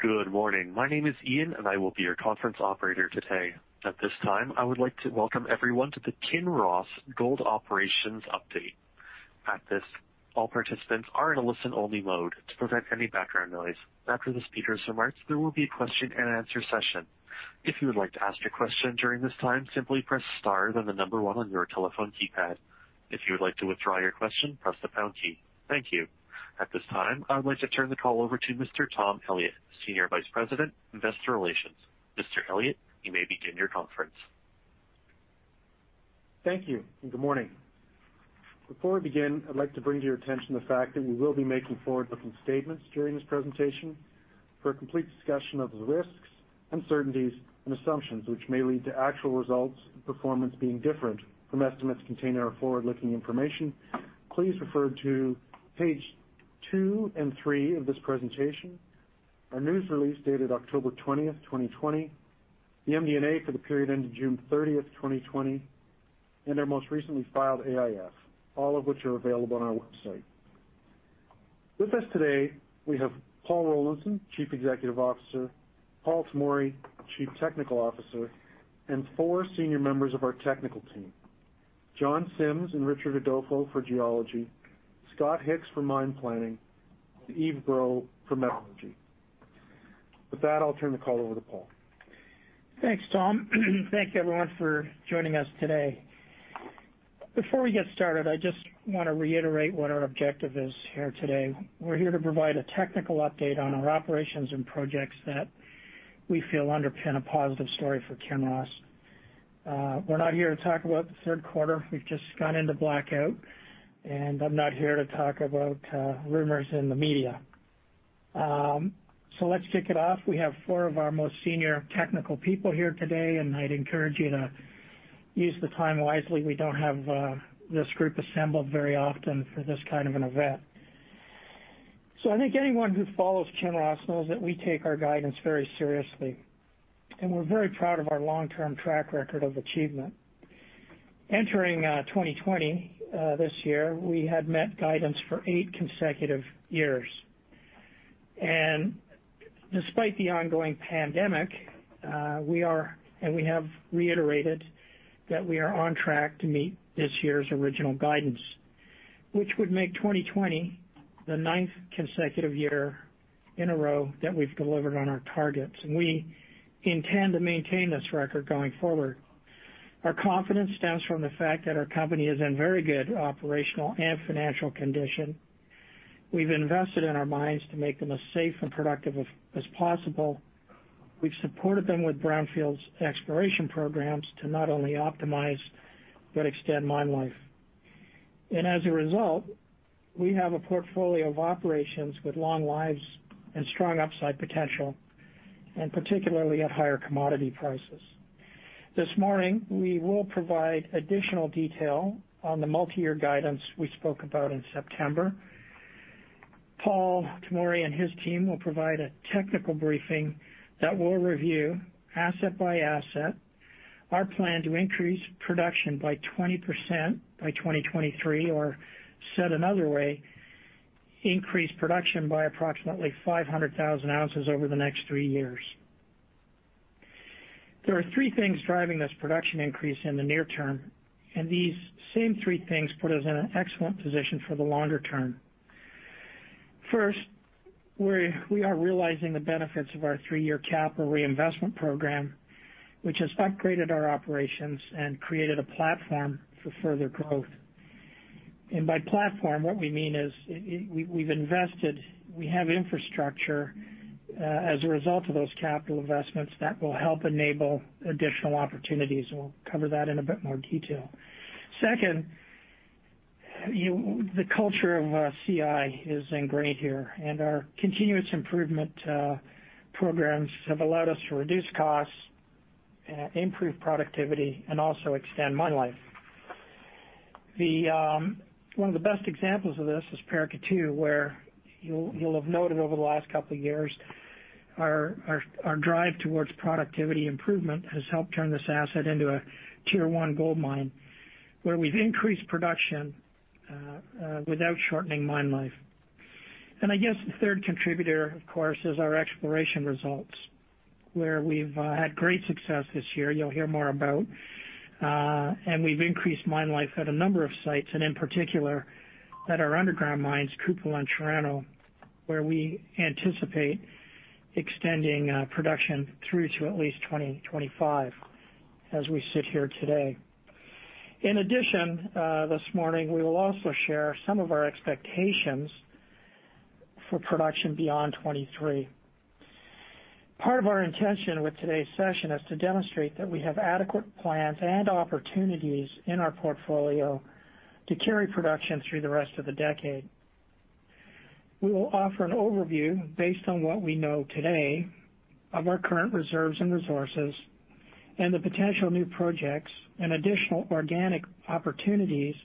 Good morning. My name is Ian, and I will be your conference operator today. At this time, I would like to welcome everyone to the Kinross Gold Operations Update. At this, all participants are in a listen-only mode to prevent any background noise. After the speakers' remarks, there will be a question-and-answer session. If you would like to ask a question during this time, simply press star, then the number 1 on your telephone keypad. If you would like to withdraw your question, press the pound key. Thank you. At this time, I would like to turn the call over to Mr. Tom Elliott, Senior Vice President, Investor Relations. Mr. Elliott, you may begin your conference. Thank you, and good morning. Before we begin, I'd like to bring to your attention the fact that we will be making forward-looking statements during this presentation. For a complete discussion of the risks, uncertainties, and assumptions which may lead to actual results and performance being different from estimates contained in our forward-looking information, please refer to page two and three of this presentation, our news release dated October 20th, 2020, the MD&A for the period ending June 30th, 2020, and our most recently filed AIF, all of which are available on our website. With us today, we have Paul Rollinson, Chief Executive Officer, Paul Tomory, Chief Technical Officer, and four senior members of our technical team, John Sims and Richard Adolfo for geology, Scott Hicks for mine planning, and Yves Breau for metallurgy. With that, I'll turn the call over to Paul. Thanks, Tom. Thank you, everyone, for joining us today. Before we get started, I just want to reiterate what our objective is here today. We're here to provide a technical update on our operations and projects that we feel underpin a positive story for Kinross. We're not here to talk about the third quarter. We've just gone into blackout. I'm not here to talk about rumors in the media. Let's kick it off. We have four of our most senior technical people here today. I'd encourage you to use the time wisely. We don't have this group assembled very often for this kind of an event. I think anyone who follows Kinross knows that we take our guidance very seriously. We're very proud of our long-term track record of achievement. Entering 2020, this year, we had met guidance for eight consecutive years. Despite the ongoing pandemic, we have reiterated that we are on track to meet this year's original guidance, which would make 2020 the ninth consecutive year in a row that we've delivered on our targets. We intend to maintain this record going forward. Our confidence stems from the fact that our company is in very good operational and financial condition. We've invested in our mines to make them as safe and productive as possible. We've supported them with brownfields exploration programs to not only optimize but extend mine life. As a result, we have a portfolio of operations with long lives and strong upside potential, and particularly at higher commodity prices. This morning, we will provide additional detail on the multi-year guidance we spoke about in September. Paul Tomory and his team will provide a technical briefing that will review, asset by asset, our plan to increase production by 20% by 2023, or said another way, increase production by approximately 500,000 ounces over the next three years. There are three things driving this production increase in the near term, and these same three things put us in an excellent position for the longer term. First, we are realizing the benefits of our three-year capital reinvestment program, which has upgraded our operations and created a platform for further growth. By platform, what we mean is we've invested. We have infrastructure as a result of those capital investments that will help enable additional opportunities. We'll cover that in a bit more detail. Second, the culture of CI is ingrained here, and our continuous improvement programs have allowed us to reduce costs, improve productivity, and also extend mine life. One of the best examples of this is Paracatu, where you'll have noted over the last couple of years, our drive towards productivity improvement has helped turn this asset into a Tier 1 gold mine, where we've increased production without shortening mine life. I guess the third contributor, of course, is our exploration results, where we've had great success this year, you'll hear more about. We've increased mine life at a number of sites, and in particular at our underground mines, Kupol and Chirano, where we anticipate extending production through to at least 2025 as we sit here today. In addition, this morning, we will also share some of our expectations for production beyond 2023. Part of our intention with today's session is to demonstrate that we have adequate plans and opportunities in our portfolio to carry production through the rest of the decade. We will offer an overview based on what we know today of our current reserves and resources and the potential new projects and additional organic opportunities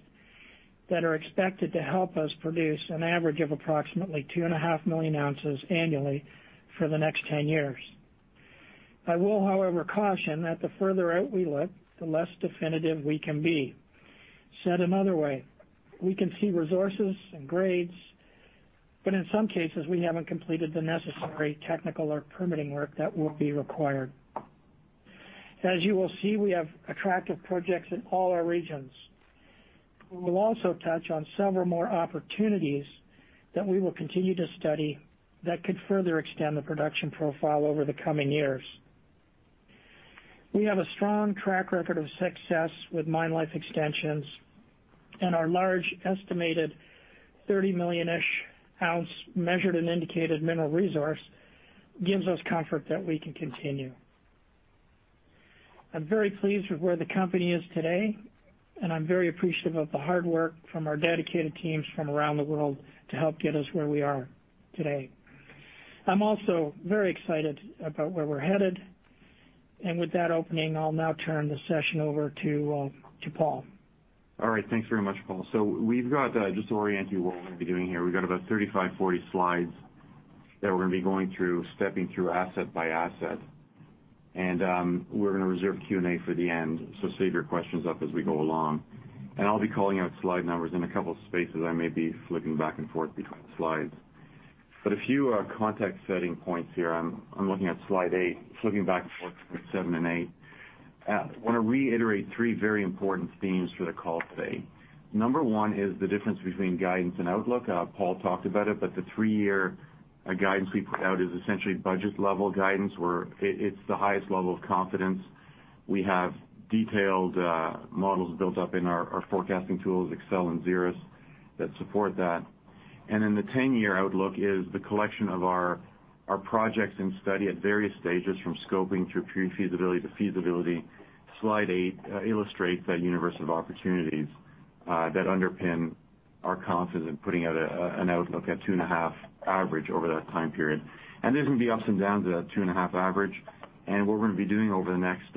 that are expected to help us produce an average of approximately 2.5 million ounces annually for the next 10 years. I will, however, caution that the further out we look, the less definitive we can be. Said another way, we can see resources and grades, but in some cases, we haven't completed the necessary technical or permitting work that will be required. As you will see, we have attractive projects in all our regions. We will also touch on several more opportunities that we will continue to study that could further extend the production profile over the coming years. We have a strong track record of success with mine life extensions, and our large estimated 30-million-ish ounce measured and indicated mineral resource gives us comfort that we can continue. I'm very pleased with where the company is today, and I'm very appreciative of the hard work from our dedicated teams from around the world to help get us where we are today. I'm also very excited about where we're headed. With that opening, I'll now turn the session over to Paul. All right. Thanks very much, Paul. Just to orient you what we're going to be doing here, we've got about 35, 40 slides that we're going to be going through, stepping through asset by asset. We're going to reserve Q&A for the end, so save your questions up as we go along. I'll be calling out slide numbers. In a couple of spaces, I may be flipping back and forth between slides. A few context setting points here. I'm looking at slide eight, flipping back and forth between seven and eight. I want to reiterate three very important themes for the call today. Number one is the difference between guidance and outlook. Paul talked about it, but the three-year guidance we put out is essentially budget level guidance, where it's the highest level of confidence. We have detailed models built up in our forecasting tools, Excel and XERAS, that support that. The 10-year outlook is the collection of our projects and study at various stages, from scoping through pre-feasibility to feasibility. Slide eight illustrates that universe of opportunities that underpin our confidence in putting out an outlook at 2.5 average over that time period. There's going to be ups and downs at a 2.5 average. What we're going to be doing over the next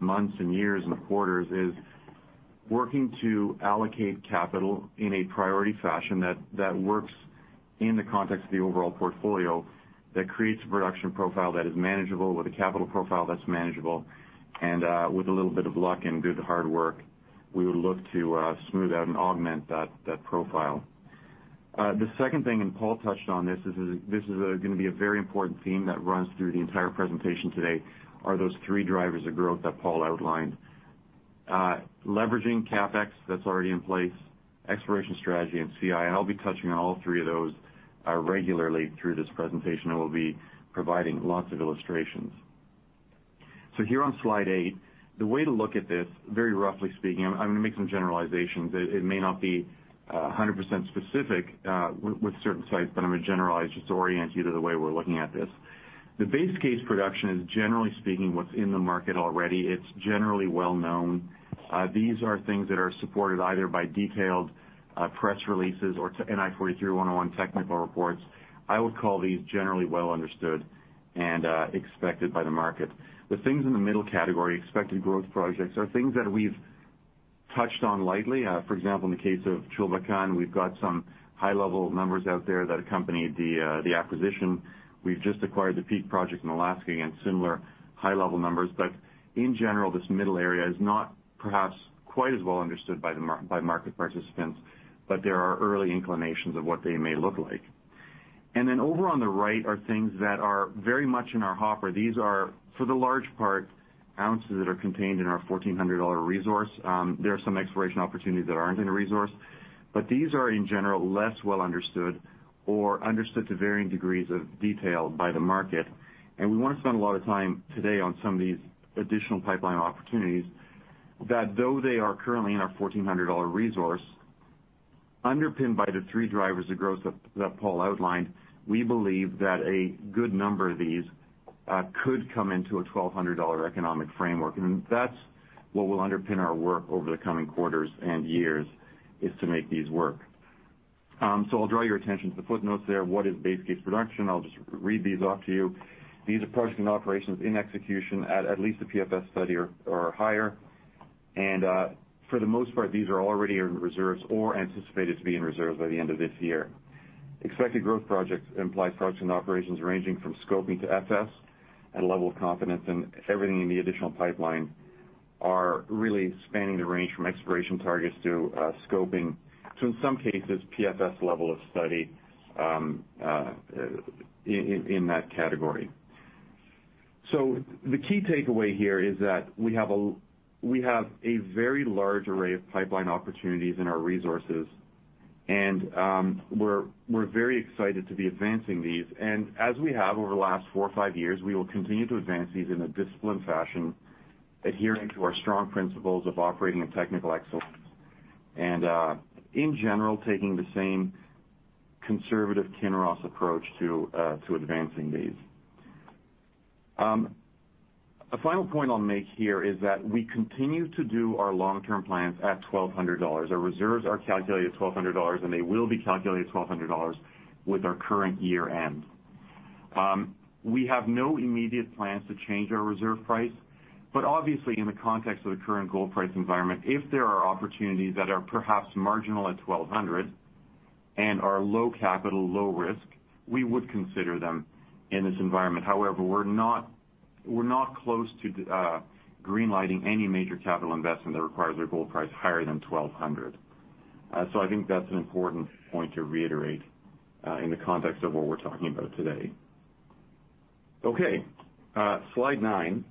months and years and quarters is working to allocate capital in a priority fashion that works in the context of the overall portfolio, that creates a production profile that is manageable with a capital profile that's manageable, and with a little bit of luck and good hard work, we would look to smooth out and augment that profile. The second thing, and Paul touched on this is going to be a very important theme that runs through the entire presentation today, are those three drivers of growth that Paul outlined. Leveraging CapEx that's already in place, exploration strategy, and CI. I'll be touching on all three of those regularly through this presentation, and we'll be providing lots of illustrations. Here on slide eight, the way to look at this, very roughly speaking, I'm going to make some generalizations. It may not be 100% specific with certain sites, but I'm going to generalize just to orient you to the way we're looking at this. The base case production is generally speaking what's in the market already. It's generally well-known. These are things that are supported either by detailed press releases or NI 43-101 technical reports. I would call these generally well understood and expected by the market. The things in the middle category, expected growth projects, are things that we've touched on lightly. For example, in the case of Chulbatkan, we've got some high-level numbers out there that accompanied the acquisition. We've just acquired the Peak project in Alaska, again, similar high-level numbers. In general, this middle area is not perhaps quite as well understood by market participants, but there are early inclinations of what they may look like. Over on the right are things that are very much in our hopper. These are, for the large part, ounces that are contained in our $1,400 resource. There are some exploration opportunities that aren't in a resource, but these are, in general, less well understood or understood to varying degrees of detail by the market. We want to spend a lot of time today on some of these additional pipeline opportunities that though they are currently in our $1,400 resource, underpinned by the three drivers of growth that Paul outlined, we believe that a good number of these could come into a $1,200 economic framework. That's what will underpin our work over the coming quarters and years, is to make these work. I'll draw your attention to the footnotes there. What is base case production? I'll just read these off to you. These are projects and operations in execution at least a PFS study or higher. For the most part, these are already in reserves or anticipated to be in reserves by the end of this year. Expected growth projects implies projects and operations ranging from scoping to FS and level of confidence and everything in the additional pipeline are really spanning the range from exploration targets to scoping, to in some cases, PFS level of study in that category. The key takeaway here is that we have a very large array of pipeline opportunities in our resources and we're very excited to be advancing these. And as we have over the last four or five years, we will continue to advance these in a disciplined fashion, adhering to our strong principles of operating and technical excellence, and in general, taking the same conservative Kinross approach to advancing these. A final point I'll make here is that we continue to do our long-term plans at $1,200. Our reserves are calculated at $1,200, and they will be calculated at $1,200 with our current year-end. We have no immediate plans to change our reserve price, obviously, in the context of the current gold price environment, if there are opportunities that are perhaps marginal at $1,200 and are low capital, low risk, we would consider them in this environment. However, we're not close to green-lighting any major capital investment that requires a gold price higher than $1,200. I think that's an important point to reiterate, in the context of what we're talking about today. Okay. Slide nine,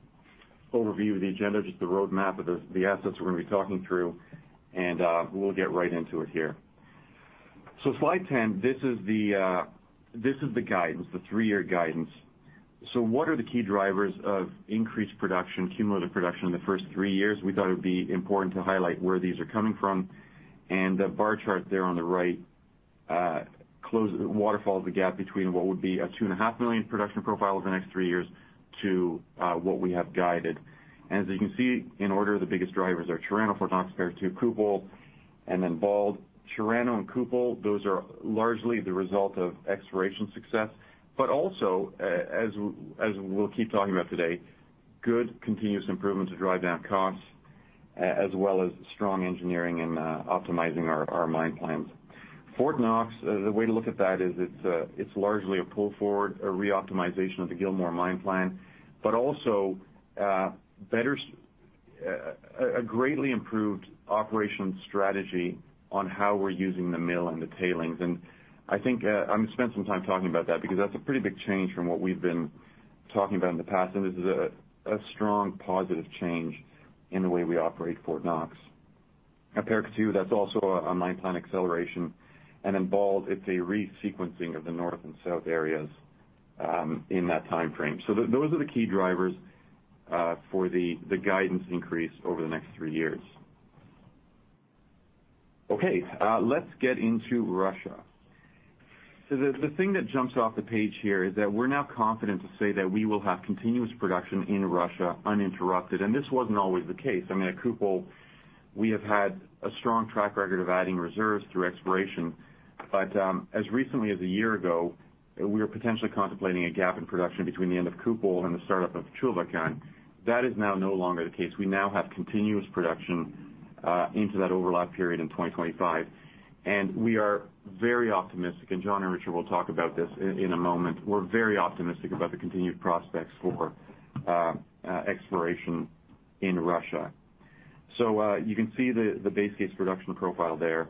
overview of the agenda, just the roadmap of the assets we're going to be talking through. We'll get right into it here. Slide 10, this is the guidance, the three-year guidance. What are the key drivers of increased production, cumulative production in the first three years? We thought it would be important to highlight where these are coming from. The bar chart there on the right, waterfalls the gap between what would be a two and a half million production profile over the next three years to what we have guided. As you can see, in order, the biggest drivers are Chirano, Fort Knox, Paracatu, Kupol, and then Bald Mountain. Chirano and Kupol, those are largely the result of exploration success, but also, as we'll keep talking about today, good continuous improvements to drive down costs, as well as strong engineering and optimizing our mine plans. Fort Knox, the way to look at that is it's largely a pull forward, a re-optimization of the Gil Satellite mine plan, but also a greatly improved operation strategy on how we're using the mill and the tailings. I think I'm going to spend some time talking about that because that's a pretty big change from what we've been talking about in the past, and this is a strong positive change in the way we operate Fort Knox. At Paracatu, that's also a mine plan acceleration, and in Bald Mountain, it's a re-sequencing of the north and south areas, in that timeframe. Those are the key drivers for the guidance increase over the next three years. Let's get into Russia. The thing that jumps off the page here is that we're now confident to say that we will have continuous production in Russia uninterrupted, and this wasn't always the case. I mean, at Kupol, we have had a strong track record of adding reserves through exploration. As recently as a year ago, we were potentially contemplating a gap in production between the end of Kupol and the startup of Chuvaayka. That is now no longer the case. We now have continuous production into that overlap period in 2025, we are very optimistic, and John and Richard will talk about this in a moment, we're very optimistic about the continued prospects for exploration in Russia. You can see the base case production profile there.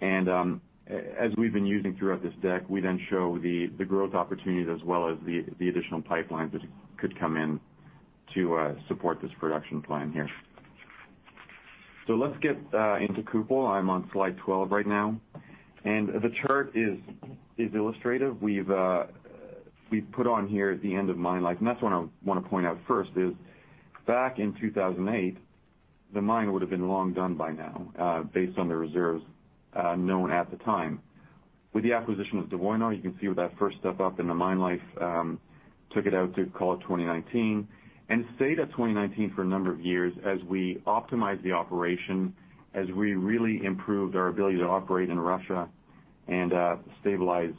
As we've been using throughout this deck, we then show the growth opportunities as well as the additional pipelines that could come in to support this production plan here. Let's get into Kupol. I'm on slide 12 right now, the chart is illustrative. We've put on here the end of mine life. That's what I want to point out first is back in 2008, the mine would've been long done by now, based on the reserves known at the time. With the acquisition of Dvoinoye, you can see with that first step up in the mine life, took it out to call it 2019 and stayed at 2019 for a number of years as we optimized the operation, as we really improved our ability to operate in Russia and stabilize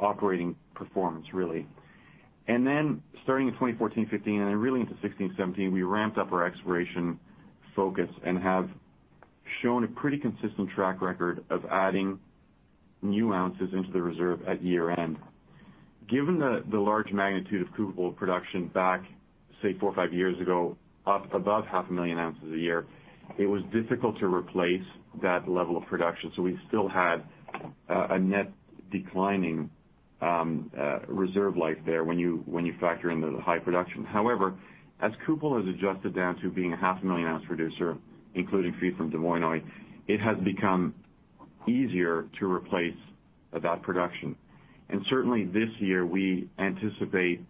operating performance, really. Starting in 2014, 2015, and then really into 2016, 2017, we ramped up our exploration focus and have shown a pretty consistent track record of adding new ounces into the reserve at year-end. Given the large magnitude of Kupol production back, say, four or five years ago, up above half a million ounces a year, it was difficult to replace that level of production. We still had a net declining reserve life there when you factor in the high production. However, as Kupol has adjusted down to being a half a million ounce producer, including feed from Dvoinoye, it has become easier to replace that production. Certainly this year, we anticipate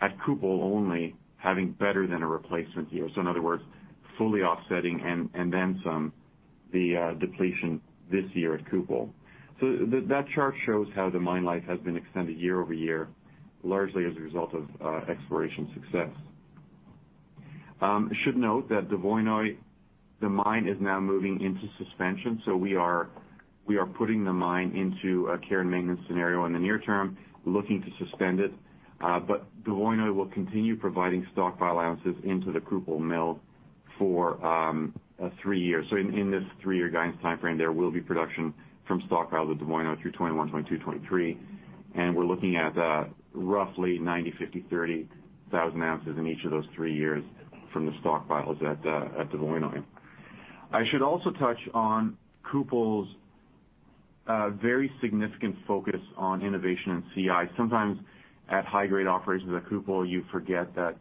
at Kupol only having better than a replacement year. In other words, fully offsetting and then some the depletion this year at Kupol. That chart shows how the mine life has been extended year-over-year, largely as a result of exploration success. I should note that Dvoinoye, the mine is now moving into suspension, so we are putting the mine into a care and maintenance scenario in the near term, looking to suspend it. Dvoinoye will continue providing stockpile ounces into the Kupol mill for three years. In this three-year guidance timeframe, there will be production from stockpiles at Dvoinoye through 2021, 2022, 2023. We're looking at roughly 90, 50, 300,000 ounces in each of those three years from the stockpiles at Dvoinoye. I should also touch on Kupol's very significant focus on innovation and CI. Sometimes at high grade operations at Kupol, you forget that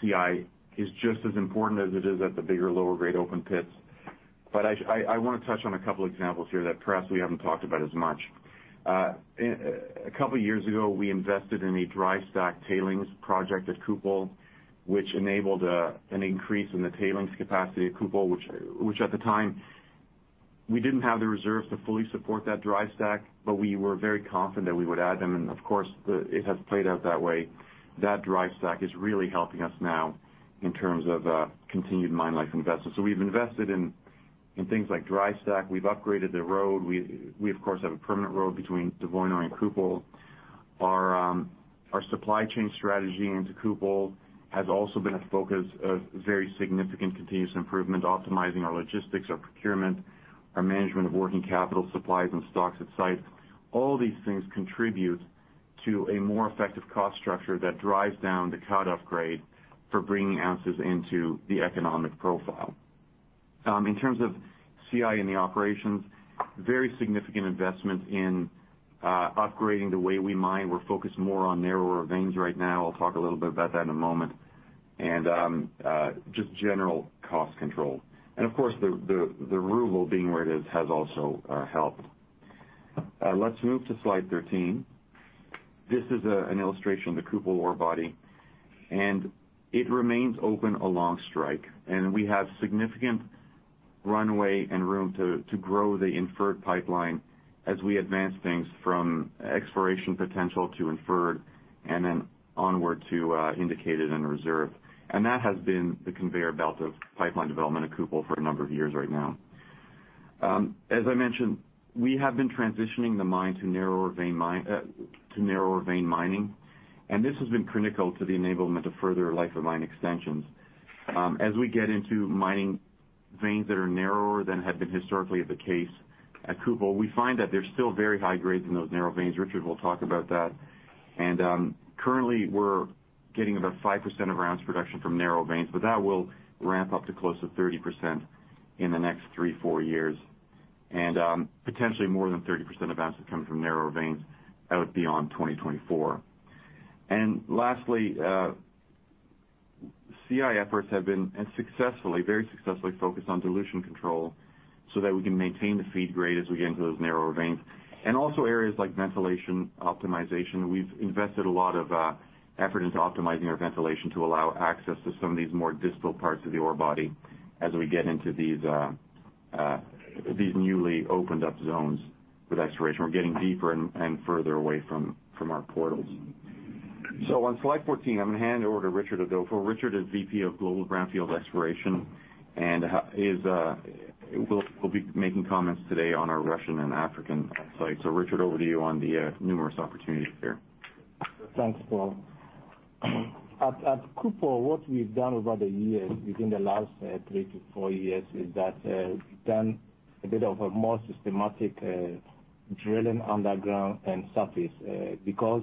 CI is just as important as it is at the bigger, lower grade open pits. I want to touch on a couple examples here that perhaps we haven't talked about as much. A couple years ago, we invested in a dry stack tailings project at Kupol, which enabled an increase in the tailings capacity at Kupol, which at the time we didn't have the reserves to fully support that dry stack, but we were very confident that we would add them, and of course, it has played out that way. That dry stack is really helping us now in terms of continued mine life investment. We've invested in things like dry stack. We've upgraded the road. We of course have a permanent road between Dvoinoye and Kupol. Our supply chain strategy into Kupol has also been a focus of very significant continuous improvement, optimizing our logistics, our procurement, our management of working capital supplies and stocks at site. All these things contribute to a more effective cost structure that drives down the cut-off grade for bringing ounces into the economic profile. In terms of CI in the operations, very significant investments in upgrading the way we mine. We're focused more on narrower veins right now, I'll talk a little bit about that in a moment. Just general cost control. Of course, the ruble being where it is, has also helped. Let's move to slide 13. This is an illustration of the Kupol ore body. It remains open along strike. We have significant runway and room to grow the inferred pipeline as we advance things from exploration potential to inferred, then onward to indicated and reserved. That has been the conveyor belt of pipeline development at Kupol for a number of years right now. As I mentioned, we have been transitioning the mine to narrower vein mining. This has been critical to the enablement of further life of mine extensions. As we get into mining veins that are narrower than had been historically the case at Kupol, we find that there's still very high grades in those narrow veins. Richard will talk about that. Currently we're getting about 5% of our ounce production from narrow veins, but that will ramp up to close to 30% in the next three, four years. Potentially more than 30% of ounces coming from narrower veins out beyond 2024. Lastly, CI efforts have been successfully, very successfully focused on dilution control so that we can maintain the feed grade as we get into those narrower veins. Also areas like ventilation optimization. We've invested a lot of effort into optimizing our ventilation to allow access to some of these more distal parts of the ore body as we get into these newly opened up zones with exploration. We're getting deeper and further away from our portals. On slide 14, I'm going to hand over to Richard Adofo. Richard is VP of Global Greenfields Exploration and he'll be making comments today on our Russian and African sites. Richard, over to you on the numerous opportunities there. Thanks, Paul. At Kupol, what we've done over the years, within the last three to four years, is that we've done a bit of a more systematic drilling underground and surface, because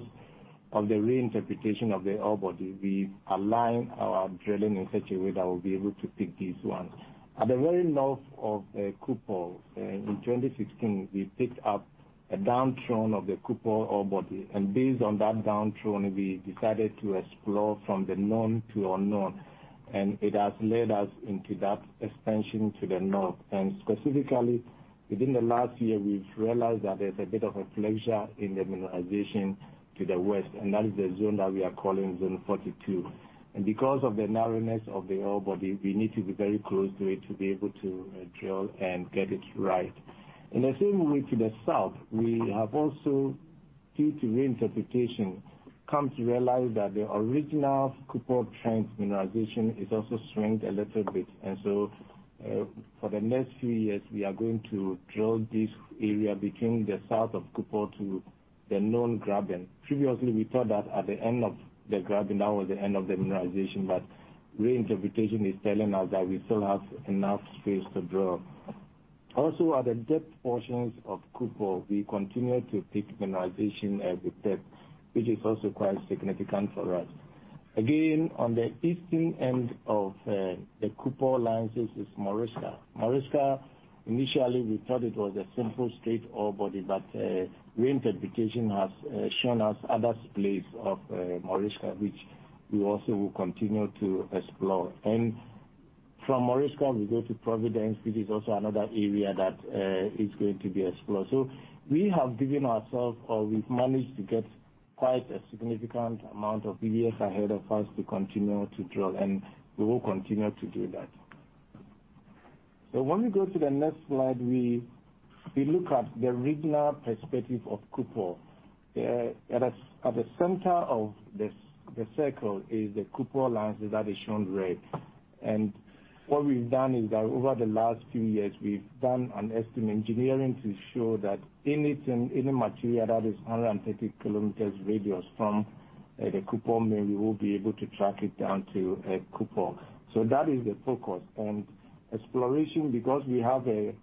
of the reinterpretation of the ore body. We align our drilling in such a way that we'll be able to pick these ones. At the very north of Kupol, in 2016, we picked up a down throw of the Kupol ore body, and based on that down throw, we decided to explore from the known to unknown, and it has led us into that expansion to the north. Specifically, within the last year, we've realized that there's a bit of a flexure in the mineralization to the west, and that is the zone that we are calling Zone 42. Because of the narrowness of the ore body, we need to be very close to it to be able to drill and get it right. In the same way to the south, we have also, due to reinterpretation, come to realize that the original Kupol trend mineralization is also strained a little bit. For the next few years, we are going to drill this area between the south of Kupol to the known Graben. Previously, we thought that at the end of the Graben, that was the end of the mineralization, but reinterpretation is telling us that we still have enough space to drill. At the depth portions of Kupol, we continue to pick mineralization with depth, which is also quite significant for us. On the eastern end of the Kupol license is Moroshka. Moroshka, initially we thought it was a simple straight ore body, but reinterpretation has shown us other splays of Moroshka, which we also will continue to explore. From Moroshka, we go to Providence, which is also another area that is going to be explored. We have given ourselves, or we've managed to get quite a significant amount of years ahead of us to continue to drill, and we will continue to do that. When we go to the next slide, we look at the regional perspective of Kupol. At the center of the circle is the Kupol license that is shown red. What we've done is that over the last few years, we've done an estimate engineering to show that any material that is 130 kilometers radius from the Kupol mine, we will be able to track it down to Kupol. That is the focus and exploration, because we have a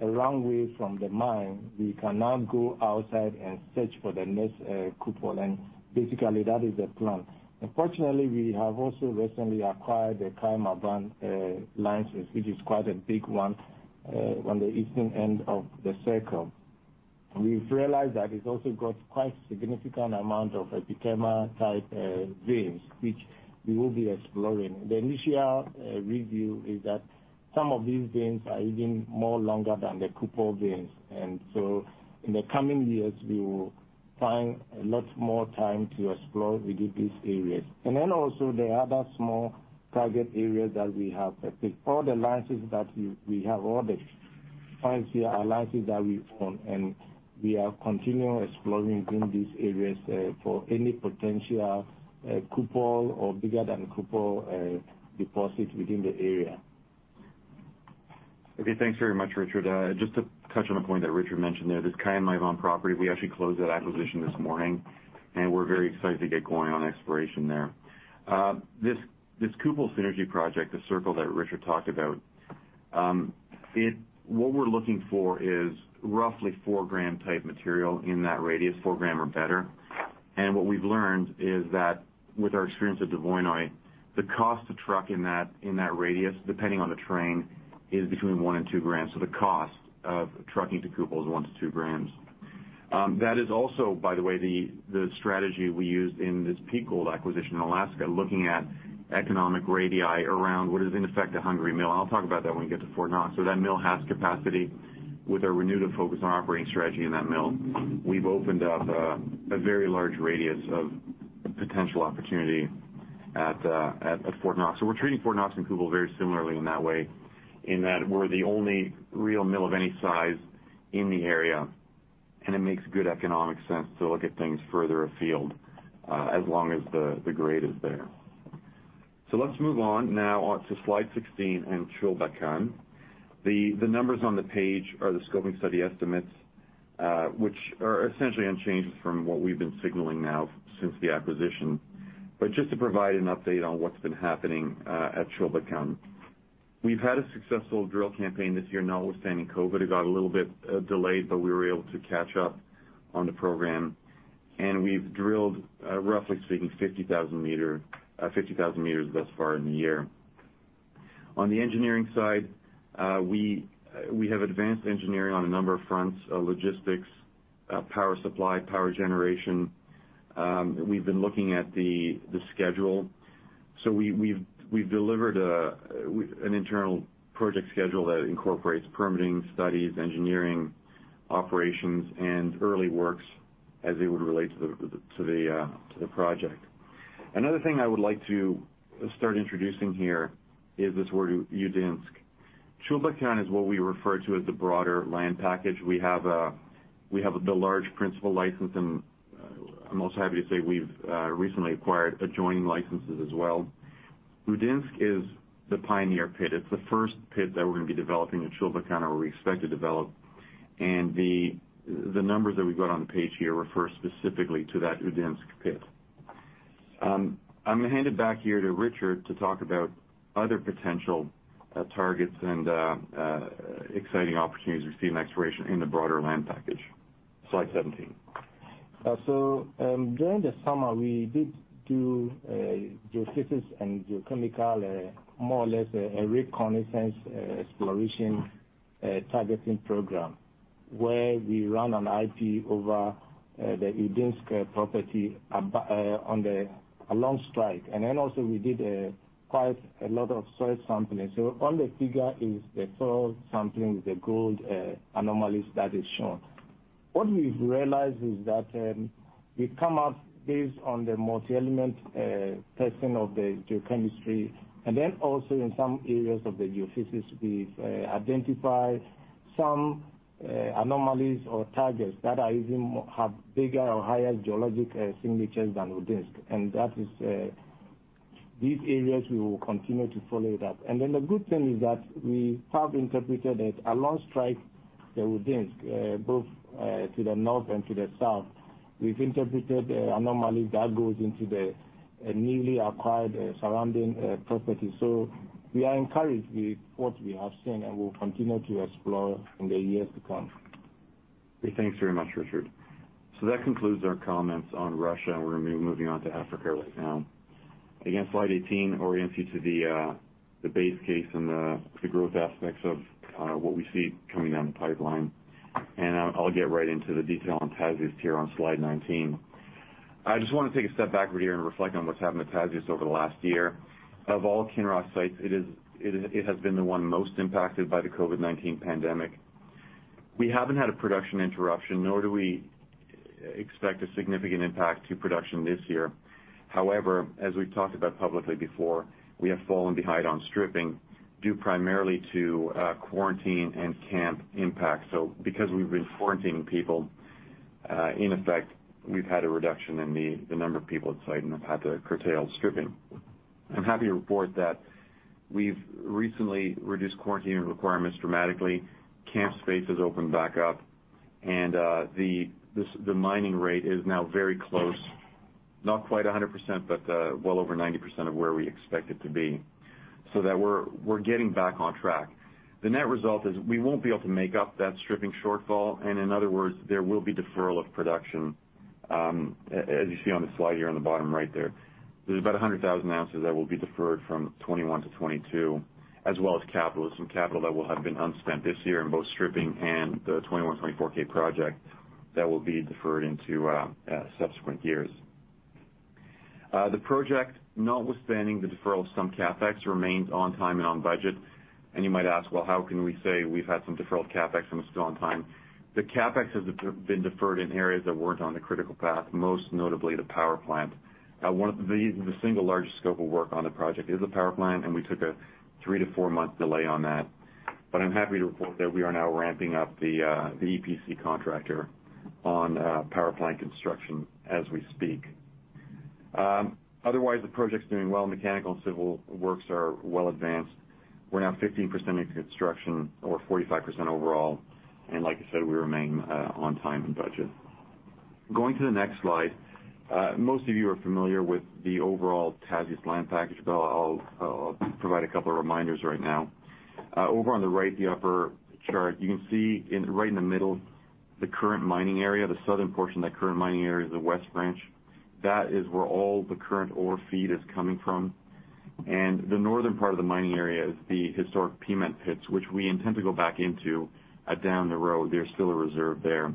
long way from the mine, we can now go outside and search for the next Kupol, and basically that is the plan. Fortunately, we have also recently acquired the Kayenmyvaam license, which is quite a big one, on the eastern end of the circle. We've realized that it's also got quite significant amount of epithermal type veins, which we will be exploring. The initial review is that some of these veins are even more longer than the Kupol veins. In the coming years, we will find a lot more time to explore within these areas. Also the other small target areas that we have. I think all the licenses that we have ordered, finds here are licenses that we own. We are continuing exploring within these areas, for any potential Kupol or bigger than Kupol deposit within the area. Thanks very much, Richard. Just to touch on a point that Richard mentioned there, this Kiamlyvan property, we actually closed that acquisition this morning, and we're very excited to get going on exploration there. This Kupol synergy project, the circle that Richard talked about, what we're looking for is roughly four-gram type material in that radius, four gram or better. What we've learned is that with our experience at Dvoinoye, the cost of trucking in that radius, depending on the terrain, is between one and two grams. The cost of trucking to Kupol is one to two grams. That is also, by the way, the strategy we used in this Peak Gold acquisition in Alaska, looking at economic radii around what is in effect a hungry mill. I'll talk about that when we get to Fort Knox. That mill has capacity with our renewed focus on operating strategy in that mill. We've opened up a very large radius of potential opportunity at Fort Knox. We're treating Fort Knox and Kupol very similarly in that way, in that we're the only real mill of any size in the area, and it makes good economic sense to look at things further afield, as long as the grade is there. Let's move on now on to slide 16 and Chulbatkan. The numbers on the page are the scoping study estimates, which are essentially unchanged from what we've been signaling now since the acquisition. Just to provide an update on what's been happening at Chulbatkan. We've had a successful drill campaign this year, notwithstanding COVID. It got a little bit delayed, but we were able to catch up on the program. We've drilled, roughly speaking, 50,000 meters thus far in the year. On the engineering side, we have advanced engineering on a number of fronts, logistics, power supply, power generation. We've been looking at the schedule. We've delivered an internal project schedule that incorporates permitting studies, engineering, operations, and early works as they would relate to the project. Another thing I would like to start introducing here is this word Udinsk. Chulbatkan is what we refer to as the broader land package. We have the large principal license, and I'm also happy to say we've recently acquired adjoining licenses as well. Udinsk is the pioneer pit. It's the first pit that we're going to be developing at Chulbatkan, or we expect to develop. The numbers that we've got on the page here refer specifically to that Udinsk pit. I'm going to hand it back here to Richard to talk about other potential targets and exciting opportunities we see in exploration in the broader land package. Slide 17. During the summer, we did do a geophysics and geochemical, more or less a reconnaissance exploration targeting program, where we ran an IP over the Udinsk property along strike. Also we did quite a lot of soil sampling. On the figure is the soil sampling, the gold anomalies that is shown. What we've realized is that we've come up based on the multi-element testing of the geochemistry, and then also in some areas of the geophysics, we've identified some anomalies or targets that even have bigger or higher geologic signatures than Udinsk. These areas we will continue to follow that. The good thing is that we have interpreted that along strike the Udinsk, both to the north and to the south, we've interpreted anomalies that goes into the newly acquired surrounding property. We are encouraged with what we have seen and will continue to explore in the years to come. Thanks very much, Richard. That concludes our comments on Russia. We're going to be moving on to Africa right now. Again, slide 18 orients you to the base case and the growth aspects of what we see coming down the pipeline. I'll get right into the detail on Tasiast here on slide 19. I just want to take a step backward here and reflect on what's happened to Tasiast over the last year. Of all Kinross sites, it has been the one most impacted by the COVID-19 pandemic. We haven't had a production interruption, nor do we expect a significant impact to production this year. However, as we've talked about publicly before, we have fallen behind on stripping due primarily to quarantine and camp impact. Because we've been quarantining people, in effect, we've had a reduction in the number of people on site and have had to curtail stripping. I'm happy to report that we've recently reduced quarantining requirements dramatically. Camp space has opened back up and the mining rate is now very close, not quite 100%, but well over 90% of where we expect it to be, so that we're getting back on track. The net result is we won't be able to make up that stripping shortfall, and in other words, there will be deferral of production, as you see on the slide here on the bottom right there. There's about 100,000 ounces that will be deferred from 2021-2022, as well as capital, some capital that will have been unspent this year in both stripping and the 21/24k project that will be deferred into subsequent years. The project, notwithstanding the deferral of some CapEx, remains on time and on budget. You might ask, well, how can we say we've had some deferred CapEx and it's still on time? The CapEx has been deferred in areas that weren't on the critical path, most notably the power plant. The single largest scope of work on the project is the power plant, and we took a three to four month delay on that. I'm happy to report that we are now ramping up the EPC contractor on power plant construction as we speak. Otherwise, the project's doing well. Mechanical and civil works are well advanced. We're now 15% in construction or 45% overall, and like I said, we remain on time and budget. Going to the next slide. Most of you are familiar with the overall Tasiast land package, but I'll provide a couple of reminders right now. Over on the right, the upper chart, you can see right in the middle, the current mining area, the southern portion of that current mining area is the West Branch. That is where all the current ore feed is coming from. The northern part of the mining area is the historic pit mount pits, which we intend to go back into down the road. There's still a reserve there.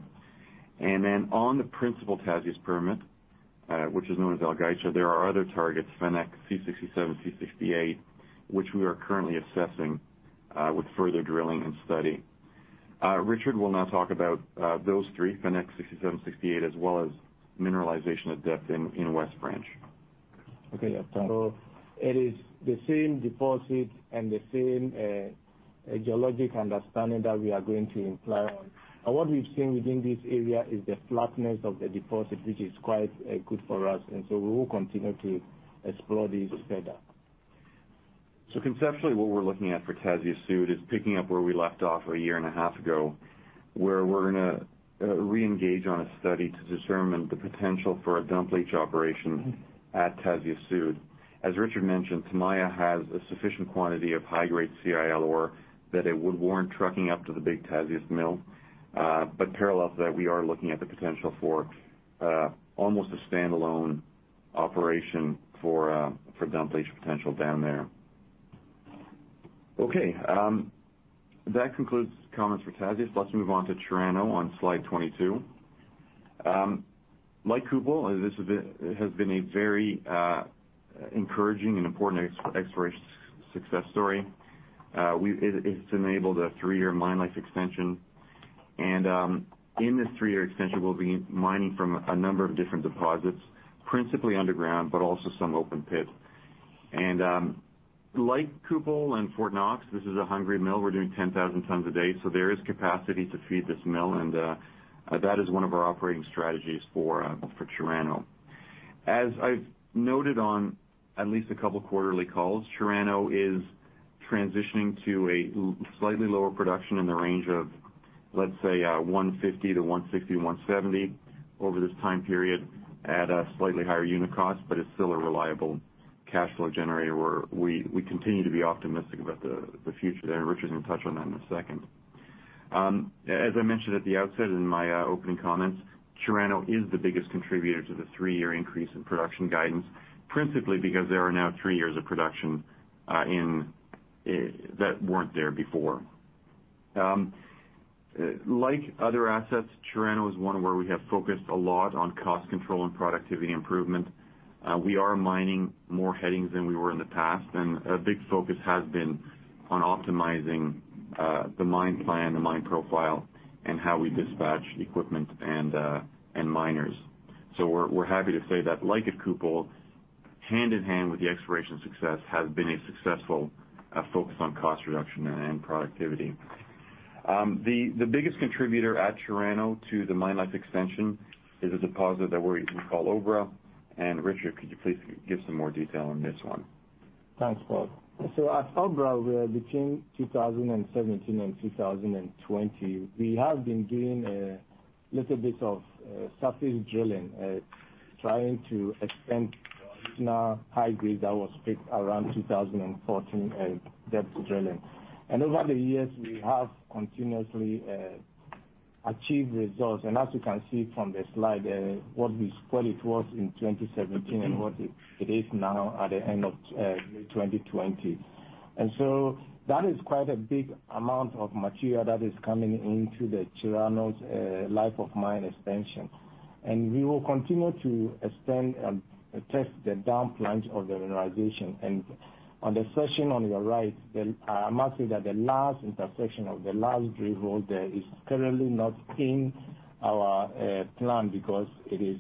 On the principal Tasiast permit, which is known as Algytra, there are other targets, Fennec, C67, C68, which we are currently assessing, with further drilling and study. Richard will now talk about those three, Fennec, 67, 68, as well as mineralization at depth in West Branch. Okay, yeah, it is the same deposit and the same geologic understanding that we are going to imply on. What we've seen within this area is the flatness of the deposit, which is quite good for us. We will continue to explore this further. Conceptually, what we're looking at for Tasiast Sud is picking up where we left off a year and a half ago, where we're going to reengage on a study to determine the potential for a dump leach operation at Tasiast Sud. As Richard mentioned, Tamaya has a sufficient quantity of high-grade CIL ore that it would warrant trucking up to the big Tasiast mill. Parallel to that, we are looking at the potential for almost a standalone operation for dump leach potential down there. That concludes comments for Tasiast. Let's move on to Chirano on slide 22. Like Kupol, this has been a very encouraging and important exploration success story. It's enabled a three-year mine life extension, and in this three-year extension we'll be mining from a number of different deposits, principally underground, but also some open pit. Like Kupol and Fort Knox, this is a hungry mill. We're doing 10,000 tons a day, so there is capacity to feed this mill, and that is one of our operating strategies for Chirano. As I've noted on at least a couple of quarterly calls, Chirano is transitioning to a slightly lower production in the range of, let's say, 150 to 160, 170 over this time period at a slightly higher unit cost. It's still a reliable cash flow generator where we continue to be optimistic about the future there. Richard can touch on that in a second. As I mentioned at the outset in my opening comments, Chirano is the biggest contributor to the three-year increase in production guidance, principally because there are now three years of production that weren't there before. Like other assets, Chirano is one where we have focused a lot on cost control and productivity improvement. We are mining more headings than we were in the past, and a big focus has been on optimizing the mine plan, the mine profile, and how we dispatch equipment and miners. We're happy to say that, like at Kupol, hand in hand with the exploration success, has been a successful focus on cost reduction and productivity. The biggest contributor at Chirano to the mine life extension is a deposit that we call Obra, and Richard, could you please give some more detail on this one? Thanks, Paul. At Obra, between 2017 and 2020, we have been doing a little bit of surface drilling, trying to extend high grade that was picked around 2014, depth drilling. Over the years, we have continuously achieved results, and as you can see from the slide, what it was in 2017 and what it is now at the end of 2020. That is quite a big amount of material that is coming into the Chirano's life of mine expansion. We will continue to extend and test the down plunge of the mineralization. On the section on your right, I must say that the last intersection of the last drill hole there is currently not in our plan because it is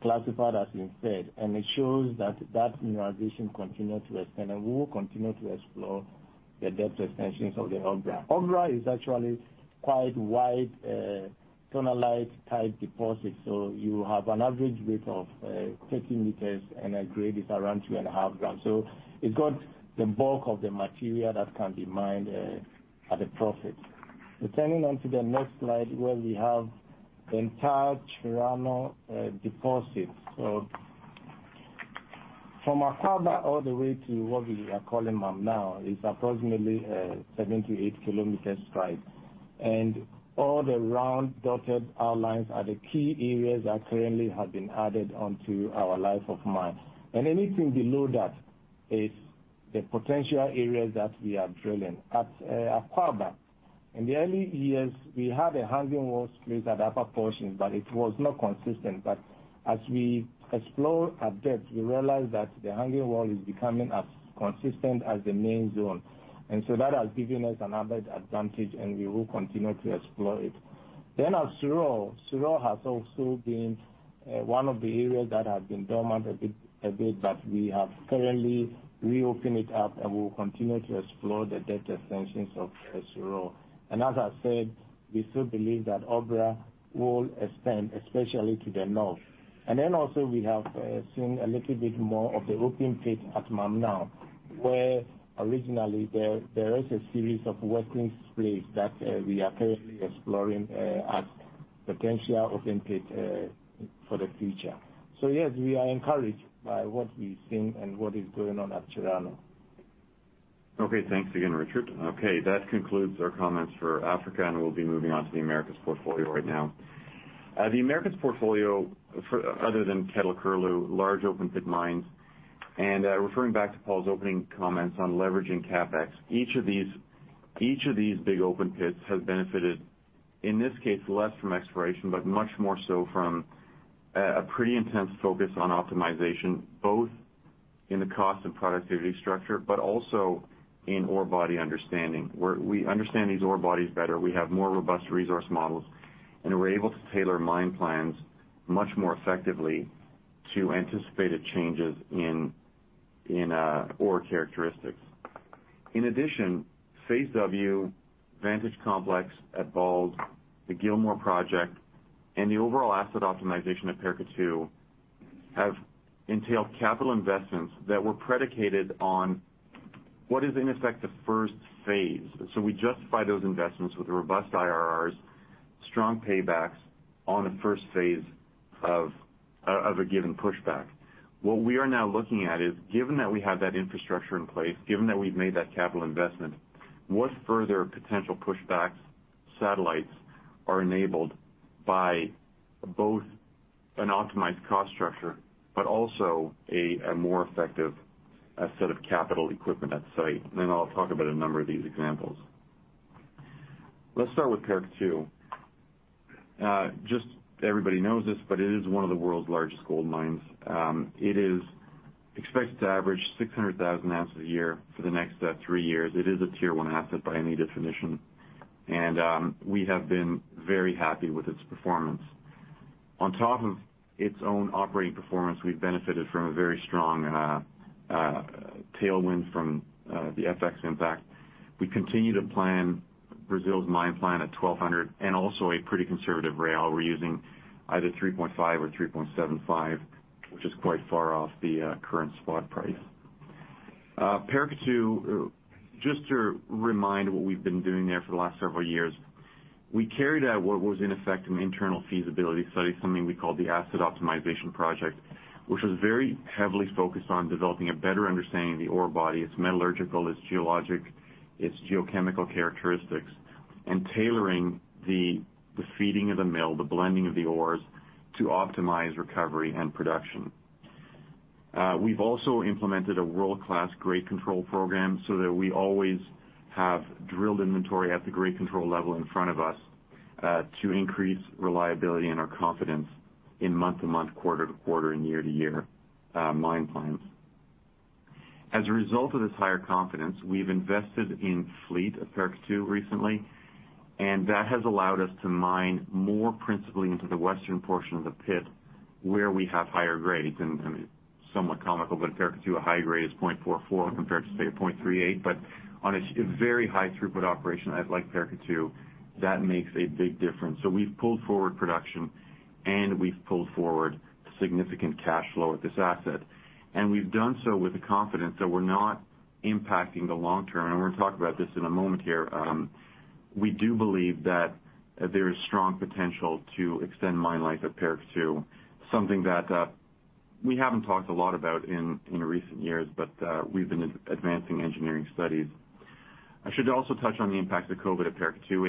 classified as instead, and it shows that that mineralization continue to extend, and we will continue to explore the depth extensions of the Obra. Obra is actually quite wide, tunnel-like type deposit. You have an average width of 30 meters and a grade is around 2.5 grams. It's got the bulk of the material that can be mined at a profit. Turning on to the next slide where we have the entire Chirano deposit. From Akwaaba all the way to what we are calling Mamnao is approximately a 78-kilometer strike. All the round dotted outlines are the key areas that currently have been added onto our life of mine. Anything below that is the potential areas that we are drilling. At Akwaaba, in the early years, we had a hanging wall split at upper portion, but it was not consistent. As we explore at depth, we realized that the hanging wall is becoming as consistent as the main zone. That has given us another advantage, and we will continue to explore it. At Suraw. Suraw has also been one of the areas that have been dormant a bit, but we have currently reopened it up and we will continue to explore the depth extensions of Suraw. As I said, we still believe that Obra will extend, especially to the north. Also we have seen a little bit more of the open pit at Mamnao, where originally there is a series of working splits that we are currently exploring as potential open pit for the future. Yes, we are encouraged by what we've seen and what is going on at Chirano. Thanks again, Richard. That concludes our comments for Africa, and we'll be moving on to the Americas portfolio right now. The Americas portfolio, other than Kettle River-Buckhorn, large open pit mines, and referring back to Paul's opening comments on leveraging CapEx, each of these big open pits has benefited, in this case, less from exploration, but much more so from a pretty intense focus on optimization, both in the cost of productivity structure, but also in ore body understanding, where we understand these ore bodies better. We have more robust resource models, and we're able to tailor mine plans much more effectively to anticipated changes in ore characteristics. In addition, Phase W Vantage Complex at Bald, the Gil Satellite Project, and the overall asset optimization at Paracatu have entailed capital investments that were predicated on what is in effect the first phase. We justify those investments with robust IRRs, strong paybacks on a first phase of a given pushback. What we are now looking at is, given that we have that infrastructure in place, given that we've made that capital investment, what further potential pushbacks, satellites are enabled by both an optimized cost structure but also a more effective set of capital equipment at site? I'll talk about a number of these examples. Let's start with Paracatu. Just everybody knows this, but it is one of the world's largest gold mines. It is expected to average 600,000 ounces a year for the next three years. It is a tier 1 asset by any definition, and we have been very happy with its performance. On top of its own operating performance, we've benefited from a very strong tailwind from the FX impact. We continue to plan Brazil's mine plan at 1,200 and also a pretty conservative rail. We're using either 3.5 or 3.75, which is quite far off the current spot price. Paracatu, just to remind what we've been doing there for the last several years, we carried out what was in effect an internal feasibility study, something we call the Asset Optimization Project, which was very heavily focused on developing a better understanding of the ore body, its metallurgical, its geologic, its geochemical characteristics, and tailoring the feeding of the mill, the blending of the ores to optimize recovery and production. We've also implemented a world-class grade control program so that we always have drilled inventory at the grade control level in front of us, to increase reliability and our confidence in month-to-month, quarter-to-quarter, and year-to-year mine plans. As a result of this higher confidence, we've invested in fleet at Paracatu recently, and that has allowed us to mine more principally into the western portion of the pit where we have higher grades. It's somewhat comical, at Paracatu, a high grade is 0.44 compared to, say, 0.38. On a very high throughput operation as like Paracatu, that makes a big difference. We've pulled forward production and we've pulled forward significant cash flow at this asset. We've done so with the confidence that we're not impacting the long term, we're going to talk about this in a moment here. We do believe that there is strong potential to extend mine life at Paracatu, something that we haven't talked a lot about in recent years, we've been advancing engineering studies. I should also touch on the impact of COVID at Paracatu.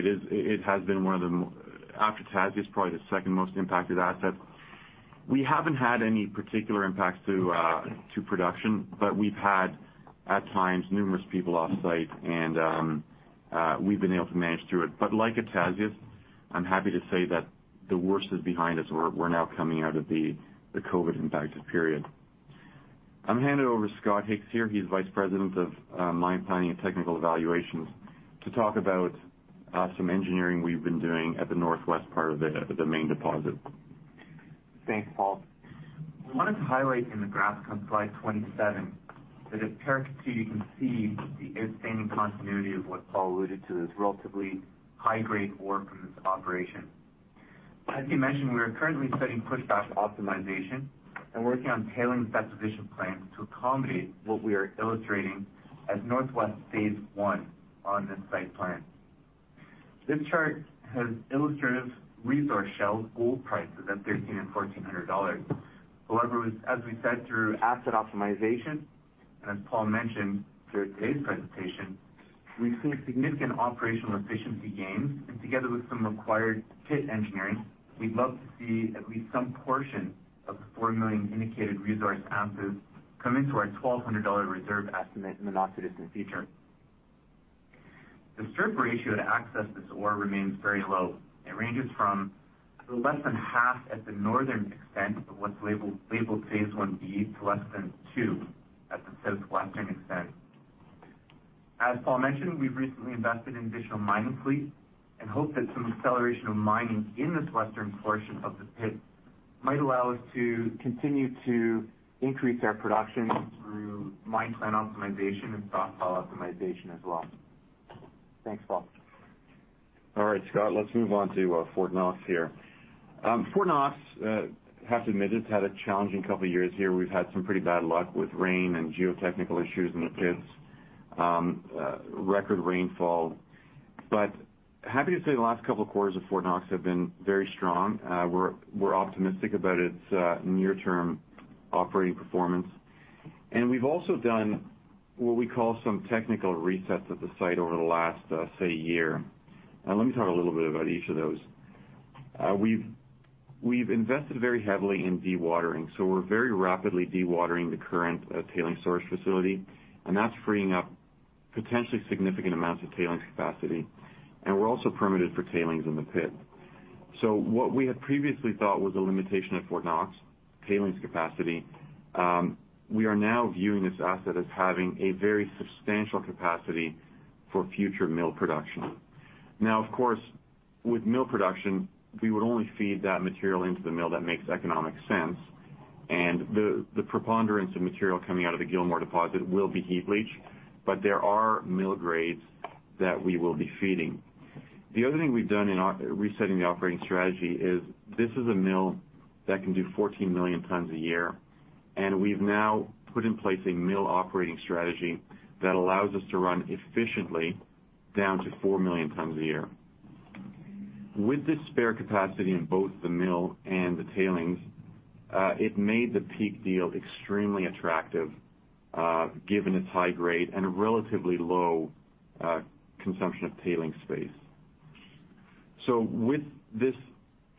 After Tasiast, probably the second most impacted asset. We haven't had any particular impacts to production, but we've had, at times, numerous people off-site, and we've been able to manage through it. But like at Tasiast, I'm happy to say that the worst is behind us. We're now coming out of the COVID impacted period. I'm going to hand it over to Scott Hicks here, he's Vice President of Mine Planning and Technical Evaluations, to talk about some engineering we've been doing at the northwest part of the main deposit. Thanks, Paul. We wanted to highlight in the graph on slide 27 that at Paracatu, you can see the outstanding continuity of what Paul alluded to, this relatively high-grade ore from this operation. As he mentioned, we are currently studying pushback optimization and working on tailings deposition plans to accommodate what we are illustrating as Northwest Phase 1 on this site plan. This chart has illustrative resource shell gold prices at 13 and $1,400. However, as we said, through asset optimization and as Paul mentioned through today's presentation, we've seen significant operational efficiency gains and together with some required pit engineering, we'd love to see at least some portion of the 4 million indicated resource ounces come into our $1,200 reserve estimate in the not too distant future. The strip ratio to access this ore remains very low. It ranges from less than half at the northern extent of what's labeled Phase 1B to less than two at the southwestern extent. As Paul mentioned, we've recently invested in additional mining fleet and hope that some acceleration of mining in this western portion of the pit might allow us to continue to increase our production through mine plan optimization and stockpile optimization as well. Thanks, Paul. All right, Scott, let's move on to Fort Knox here. Fort Knox, have to admit, it's had a challenging couple of years here. We've had some pretty bad luck with rain and geotechnical issues in the pits. Record rainfall, but happy to say the last couple of quarters of Fort Knox have been very strong. We're optimistic about its near-term operating performance, and we've also done what we call some technical resets at the site over the last, say, year. Now let me talk a little bit about each of those. We've invested very heavily in dewatering, so we're very rapidly dewatering the current tailings storage facility, and that's freeing up potentially significant amounts of tailings capacity, and we're also permitted for tailings in the pit. What we had previously thought was a limitation of Fort Knox tailings capacity, we are now viewing this asset as having a very substantial capacity for future mill production. Of course, with mill production, we would only feed that material into the mill that makes economic sense, and the preponderance of material coming out of the Gil deposit will be heap leach, but there are mill grades that we will be feeding. The other thing we've done in resetting the operating strategy is this is a mill that can do 14 million tons a year, and we've now put in place a mill operating strategy that allows us to run efficiently down to 4 million tons a year. With this spare capacity in both the mill and the tailings, it made the Peak deal extremely attractive, given its high grade and a relatively low consumption of tailings space. With this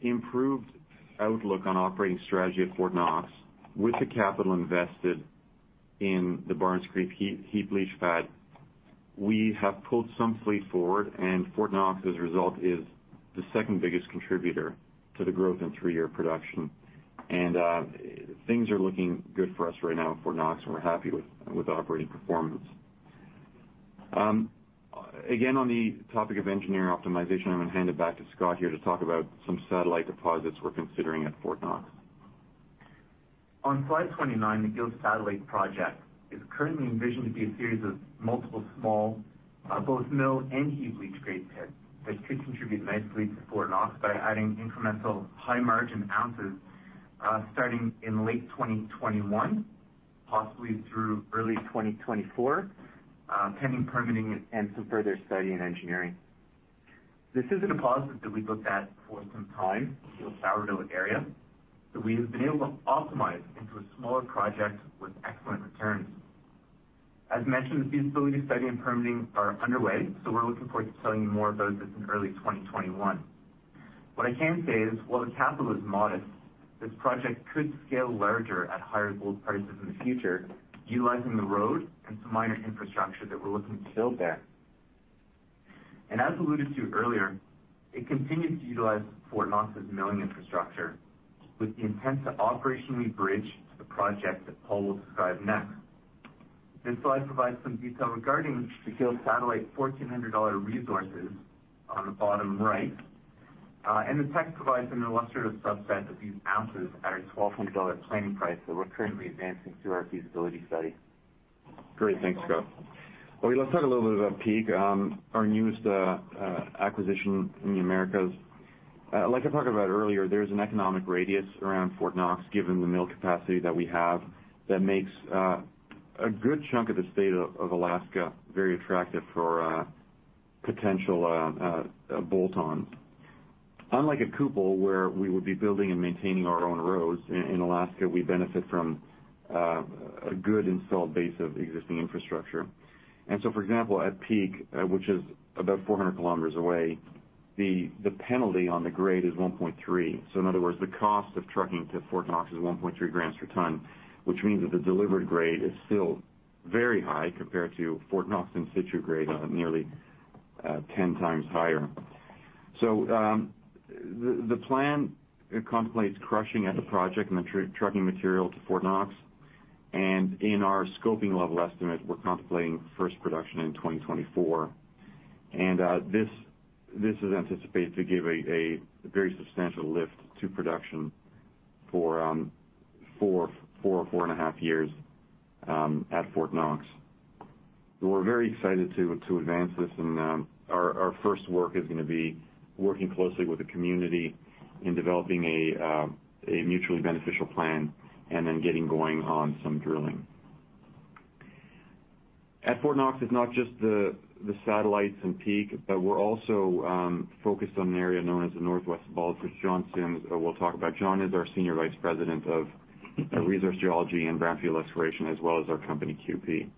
improved outlook on operating strategy at Fort Knox, with the capital invested in the Barnes Creek heap leach pad, we have pulled some fleet forward, and Fort Knox, as a result, is the second biggest contributor to the growth in three-year production. Things are looking good for us right now at Fort Knox, and we're happy with operating performance. Again, on the topic of engineering optimization, I'm going to hand it back to Scott here to talk about some satellite deposits we're considering at Fort Knox. On slide 29, the Gil Satellite project is currently envisioned to be a series of multiple small, both mill and heap leach grade pits that could contribute nicely to Fort Knox by adding incremental high-margin ounces, starting in late 2021, possibly through early 2024, pending permitting and some further study and engineering. This is a deposit that we looked at for some time, the Sourdough area, that we have been able to optimize into a smaller project with excellent returns. As mentioned, the feasibility study and permitting are underway. We're looking forward to telling you more about this in early 2021. What I can say is, while the capital is modest, this project could scale larger at higher gold prices in the future, utilizing the road and some minor infrastructure that we're looking to build there. As alluded to earlier, it continues to utilize Fort Knox's milling infrastructure with the intent to operationally bridge to the project that Paul will describe next. This slide provides some detail regarding the Gil Satellite $1,400 resources on the bottom right, and the text provides an illustrative subset of these ounces at our $1,200 planning price that we're currently advancing through our feasibility study. Great. Thanks, Scott. Let's talk a little bit about Peak, our newest acquisition in the Americas. Like I talked about earlier, there's an economic radius around Fort Knox, given the mill capacity that we have, that makes a good chunk of the state of Alaska very attractive for potential bolt-ons. Unlike at Kupol, where we would be building and maintaining our own roads, in Alaska, we benefit from a good installed base of existing infrastructure. For example, at Peak, which is about 400 km away, the penalty on the grade is 1.3. In other words, the cost of trucking to Fort Knox is 1.3 grams per ton, which means that the delivered grade is still very high compared to Fort Knox in situ grade of nearly 10 times higher. The plan contemplates crushing at the project and then trucking material to Fort Knox, and in our scoping level estimate, we're contemplating first production in 2024. This is anticipated to give a very substantial lift to production for four or four and a half years, at Fort Knox. We're very excited to advance this, and our first work is going to be working closely with the community in developing a mutually beneficial plan and then getting going on some drilling. At Fort Knox, it's not just the satellites and Peak, but we're also focused on an area known as the Northwest Bulge, which John Sims will talk about. John is our Senior Vice President of Resource Geology and Brownfield Exploration, as well as our company QP.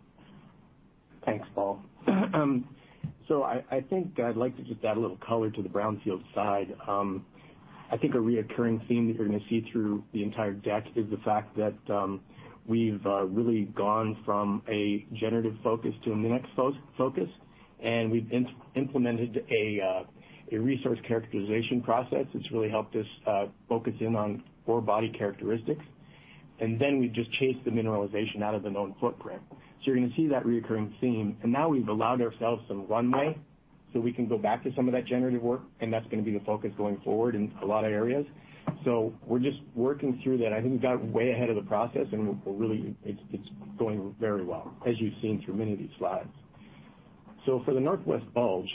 Thanks, Paul. I think I'd like to just add a little color to the brownfield side. I think a recurring theme that you're going to see through the entire deck is the fact that we've really gone from a generative focus to a MinEx focus, and we've implemented a resource characterization process, which really helped us focus in on orebody characteristics. Then we just chase the mineralization out of the known footprint. You're going to see that recurring theme. Now we've allowed ourselves some runway so we can go back to some of that generative work, and that's going to be the focus going forward in a lot of areas. We're just working through that. I think we got way ahead of the process. It's going very well, as you've seen through many of these slides. For the northwest bulge,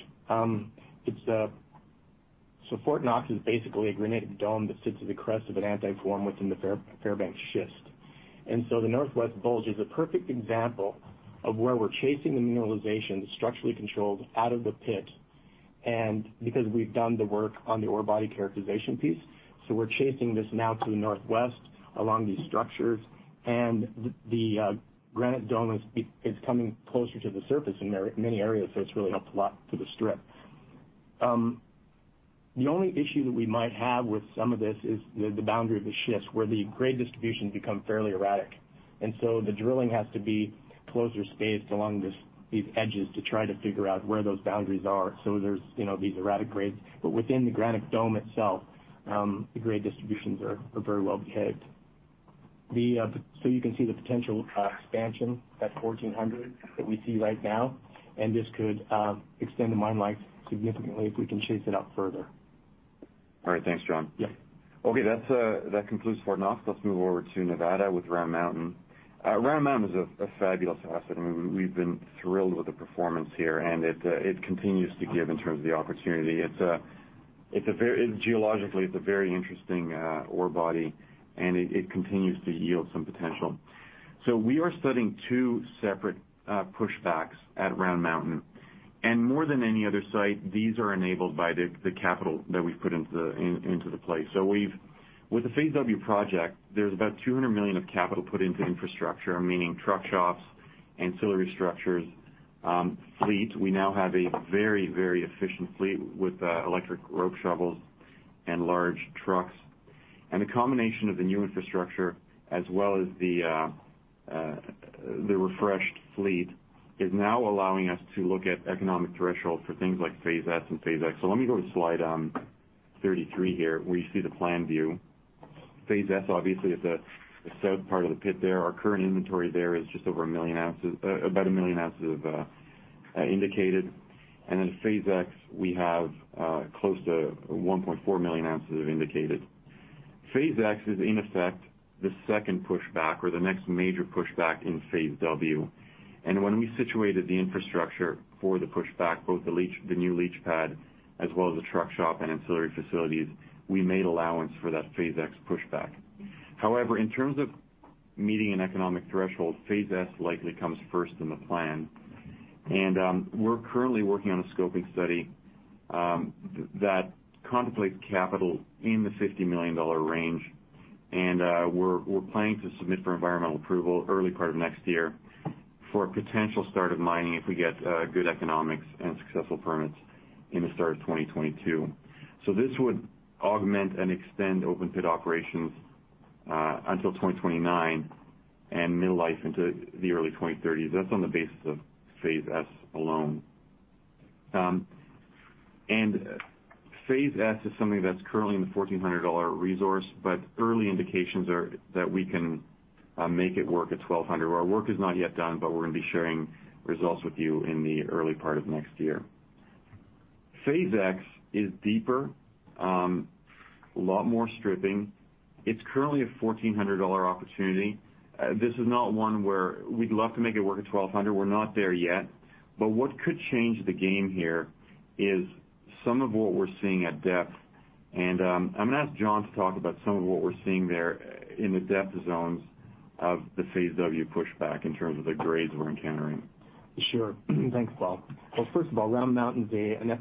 Fort Knox is basically a granitic dome that sits at the crest of an anticlinum within the Fairbanks schist. The northwest bulge is a perfect example of where we're chasing the mineralization structurally controlled out of the pit, and because we've done the work on the ore body characterization piece. We're chasing this now to the northwest along these structures, and the granite dome is coming closer to the surface in many areas, so it's really helped a lot to the strip. The only issue that we might have with some of this is the boundary of the schist, where the grade distributions become fairly erratic. The drilling has to be closer spaced along these edges to try to figure out where those boundaries are. There's these erratic grades. Within the granite dome itself, the grade distributions are very well behaved. You can see the potential expansion, that $1,400 that we see right now, and this could extend the mine life significantly if we can chase it up further. All right. Thanks, John. Yeah. Okay. That concludes Fort Knox. Let's move over to Nevada with Round Mountain. Round Mountain is a fabulous asset, and we've been thrilled with the performance here, and it continues to give in terms of the opportunity. Geologically, it's a very interesting ore body, and it continues to yield some potential. We are studying two separate pushbacks at Round Mountain. More than any other site, these are enabled by the capital that we've put into the place. With the Phase W project, there's about $200 million of capital put into infrastructure, meaning truck shops, ancillary structures, fleet. We now have a very efficient fleet with electric rope shovels and large trucks. The combination of the new infrastructure as well as the refreshed fleet is now allowing us to look at economic thresholds for things like Phase S and Phase X. Let me go to slide 33 here, where you see the plan view. Phase S obviously is the south part of the pit there. Our current inventory there is just over a million ounces, about a million ounces of indicated. Phase X, we have close to 1.4 million ounces of indicated. Phase X is, in effect, the second pushback or the next major pushback in Phase W. When we situated the infrastructure for the pushback, both the new leach pad as well as the truck shop and ancillary facilities, we made allowance for that Phase X pushback. However, in terms of meeting an economic threshold, Phase S likely comes first in the plan. We're currently working on a scoping study that contemplates capital in the $50 million range, and we're planning to submit for environmental approval early part of next year for a potential start of mining, if we get good economics and successful permits, in the start of 2022. This would augment and extend open pit operations until 2029 and mill life into the early 2030s. That's on the basis of Phase S alone. Phase S is something that's currently in the $1,400 resource, but early indications are that we can make it work at $1,200, where our work is not yet done, but we're going to be sharing results with you in the early part of next year. Phase X is deeper, a lot more stripping. It's currently a $1,400 opportunity. This is not one where we'd love to make it work at $1,200. We're not there yet. What could change the game here is some of what we're seeing at depth. I'm going to ask John to talk about some of what we're seeing there in the depth zones of the Phase W pushback in terms of the grades we're encountering. Sure. Thanks, Paul. First of all, Round Mountain is an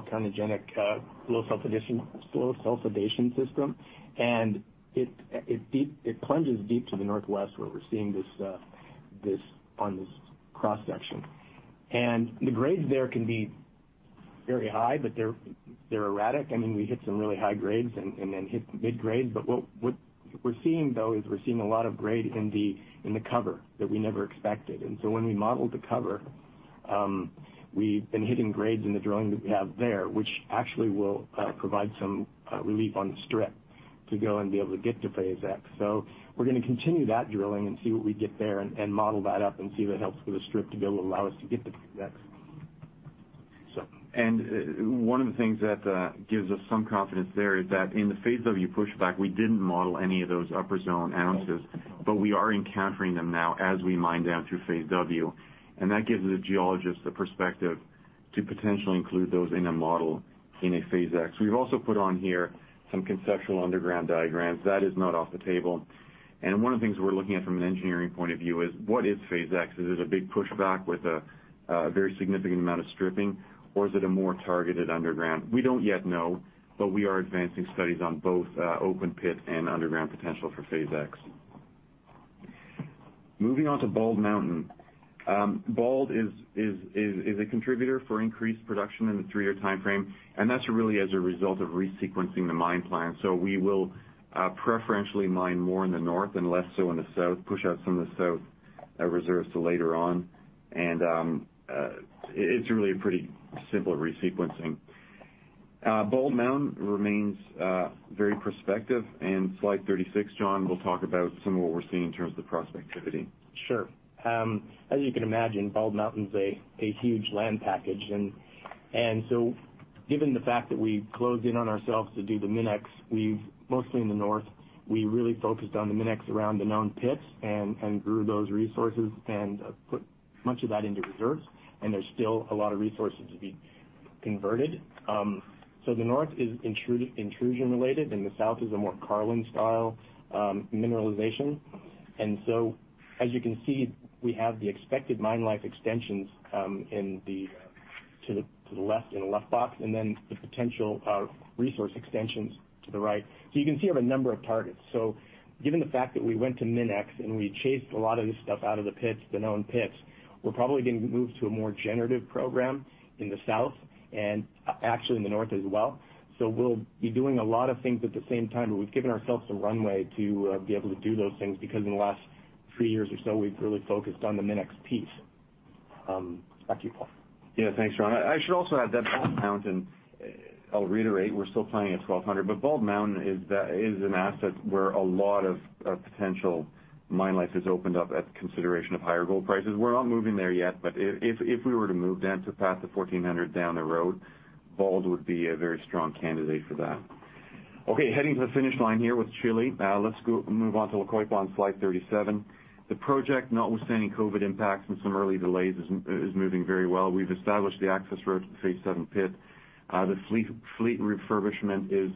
epithermal alkalic low-sulfidation system, and it plunges deep to the northwest where we're seeing this on this cross-section. The grades there can be very high, but they're erratic. We hit some really high grades and then hit mid-grades. What we're seeing, though, is we're seeing a lot of grade in the cover that we never expected. When we modeled the cover, we've been hitting grades in the drilling that we have there, which actually will provide some relief on the strip to go and be able to get to Phase X. We're going to continue that drilling and see what we get there and model that up and see if it helps with the strip to be able to allow us to get to Phase X. One of the things that gives us some confidence there is that in the Phase W pushback, we didn't model any of those upper zone ounces, but we are encountering them now as we mine down through Phase W. That gives the geologists a perspective to potentially include those in a model in a Phase X. We've also put on here some conceptual underground diagrams. That is not off the table. One of the things we're looking at from an engineering point of view is, what is Phase X? Is it a big pushback with a very significant amount of stripping, or is it a more targeted underground? We don't yet know, but we are advancing studies on both open pit and underground potential for Phase X. Moving on to Bald Mountain. Bald is a contributor for increased production in the three-year timeframe, that's really as a result of resequencing the mine plan. We will preferentially mine more in the north and less so in the south, push out some of the south reserves to later on. It's really a pretty simple resequencing. Bald Mountain remains very prospective. Slide 36, John will talk about some of what we're seeing in terms of the prospectivity. Sure. As you can imagine, Bald Mountain's a huge land package. Given the fact that we've closed in on ourselves to do the MinEx, mostly in the north, we really focused on the MinEx around the known pits and grew those resources and put much of that into reserves, and there's still a lot of resources to be converted. The north is intrusion related, and the south is a more Carlin-style mineralization. As you can see, we have the expected mine life extensions to the left in the left box, and then the potential resource extensions to the right. You can see we have a number of targets. Given the fact that we went to MinEx and we chased a lot of this stuff out of the pits, the known pits, we're probably going to move to a more generative program in the south and actually in the north as well. We'll be doing a lot of things at the same time. We've given ourselves some runway to be able to do those things because in the last three years or so, we've really focused on the MinEx piece. Back to you, Paul. Yeah, thanks, John. I should also add that Bald Mountain, I'll reiterate, we're still planning at $1,200, but Bald Mountain is an asset where a lot of potential mine life has opened up at the consideration of higher gold prices. We're not moving there yet, but if we were to move then to past the $1,400 down the road, Bald would be a very strong candidate for that. Okay, heading to the finish line here with Chile. Let's move on to La Coipa on slide 37. The project, notwithstanding COVID impacts and some early delays, is moving very well. We've established the access road to the Phase 7 pit. The fleet refurbishment is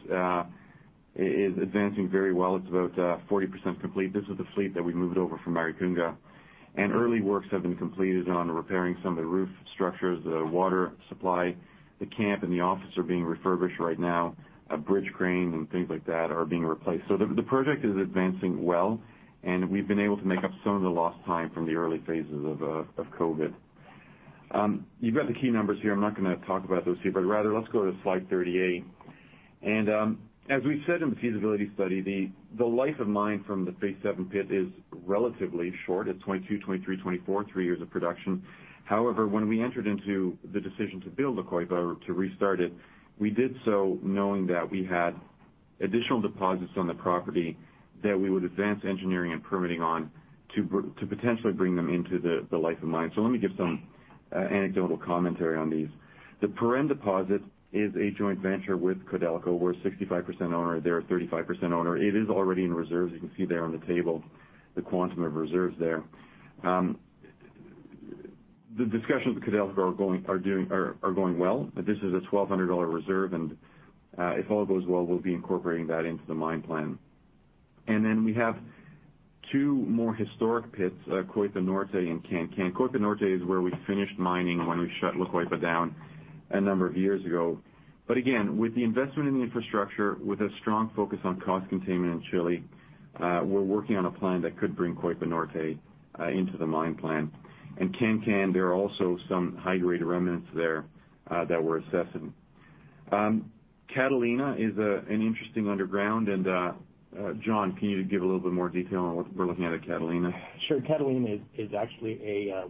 advancing very well. It's about 40% complete. This is the fleet that we moved over from Maricunga. Early works have been completed on repairing some of the roof structures, the water supply. The camp and the office are being refurbished right now. A bridge crane and things like that are being replaced. The project is advancing well, and we've been able to make up some of the lost time from the early phases of COVID. You've got the key numbers here. I'm not going to talk about those here, rather let's go to slide 38. As we said in the feasibility study, the life of mine from the Phase 7 pit is relatively short. It's 2022, 2023, 2024, three years of production. However, when we entered into the decision to build La Coipa, to restart it, we did so knowing that we had additional deposits on the property that we would advance engineering and permitting on to potentially bring them into the life of mine. Let me give some anecdotal commentary on these. The Puren deposit is a joint venture with Codelco. We're a 65% owner, they're a 35% owner. It is already in reserves. You can see there on the table the quantum of reserves there. The discussions with Codelco are going well. This is a $1,200 reserve, if all goes well, we'll be incorporating that into the mine plan. We have two more historic pits, Coipa Norte and Can-Can. Coipa Norte is where we finished mining when we shut La Coipa down a number of years ago. Again, with the investment in the infrastructure, with a strong focus on cost containment in Chile, we're working on a plan that could bring Coipa Norte into the mine plan. Can-Can, there are also some high-grade remnants there that we're assessing. Catalina is an interesting underground. John, can you give a little bit more detail on what we're looking at at Catalina? Sure. Catalina is actually a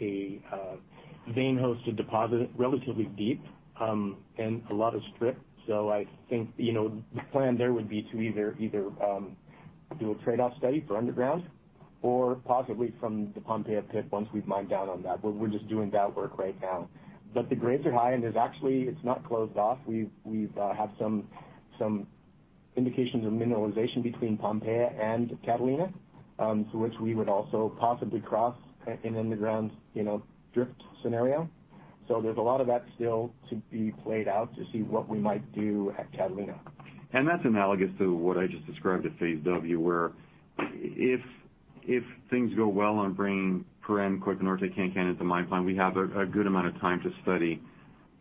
vein-hosted deposit, relatively deep and a lot of strip. I think, the plan there would be to either do a trade-off study for underground or possibly from the Pompeya pit once we've mined down on that. We're just doing that work right now. The grades are high, and actually, it's not closed off. We have some indications of mineralization between Pompeya and Catalina, so which we would also possibly cross an underground drift scenario. There's a lot of that still to be played out to see what we might do at Catalina. That's analogous to what I just described at Phase W, where if things go well on bringing Puren, Coipa Norte, Can-Can into the mine plan, we have a good amount of time to study,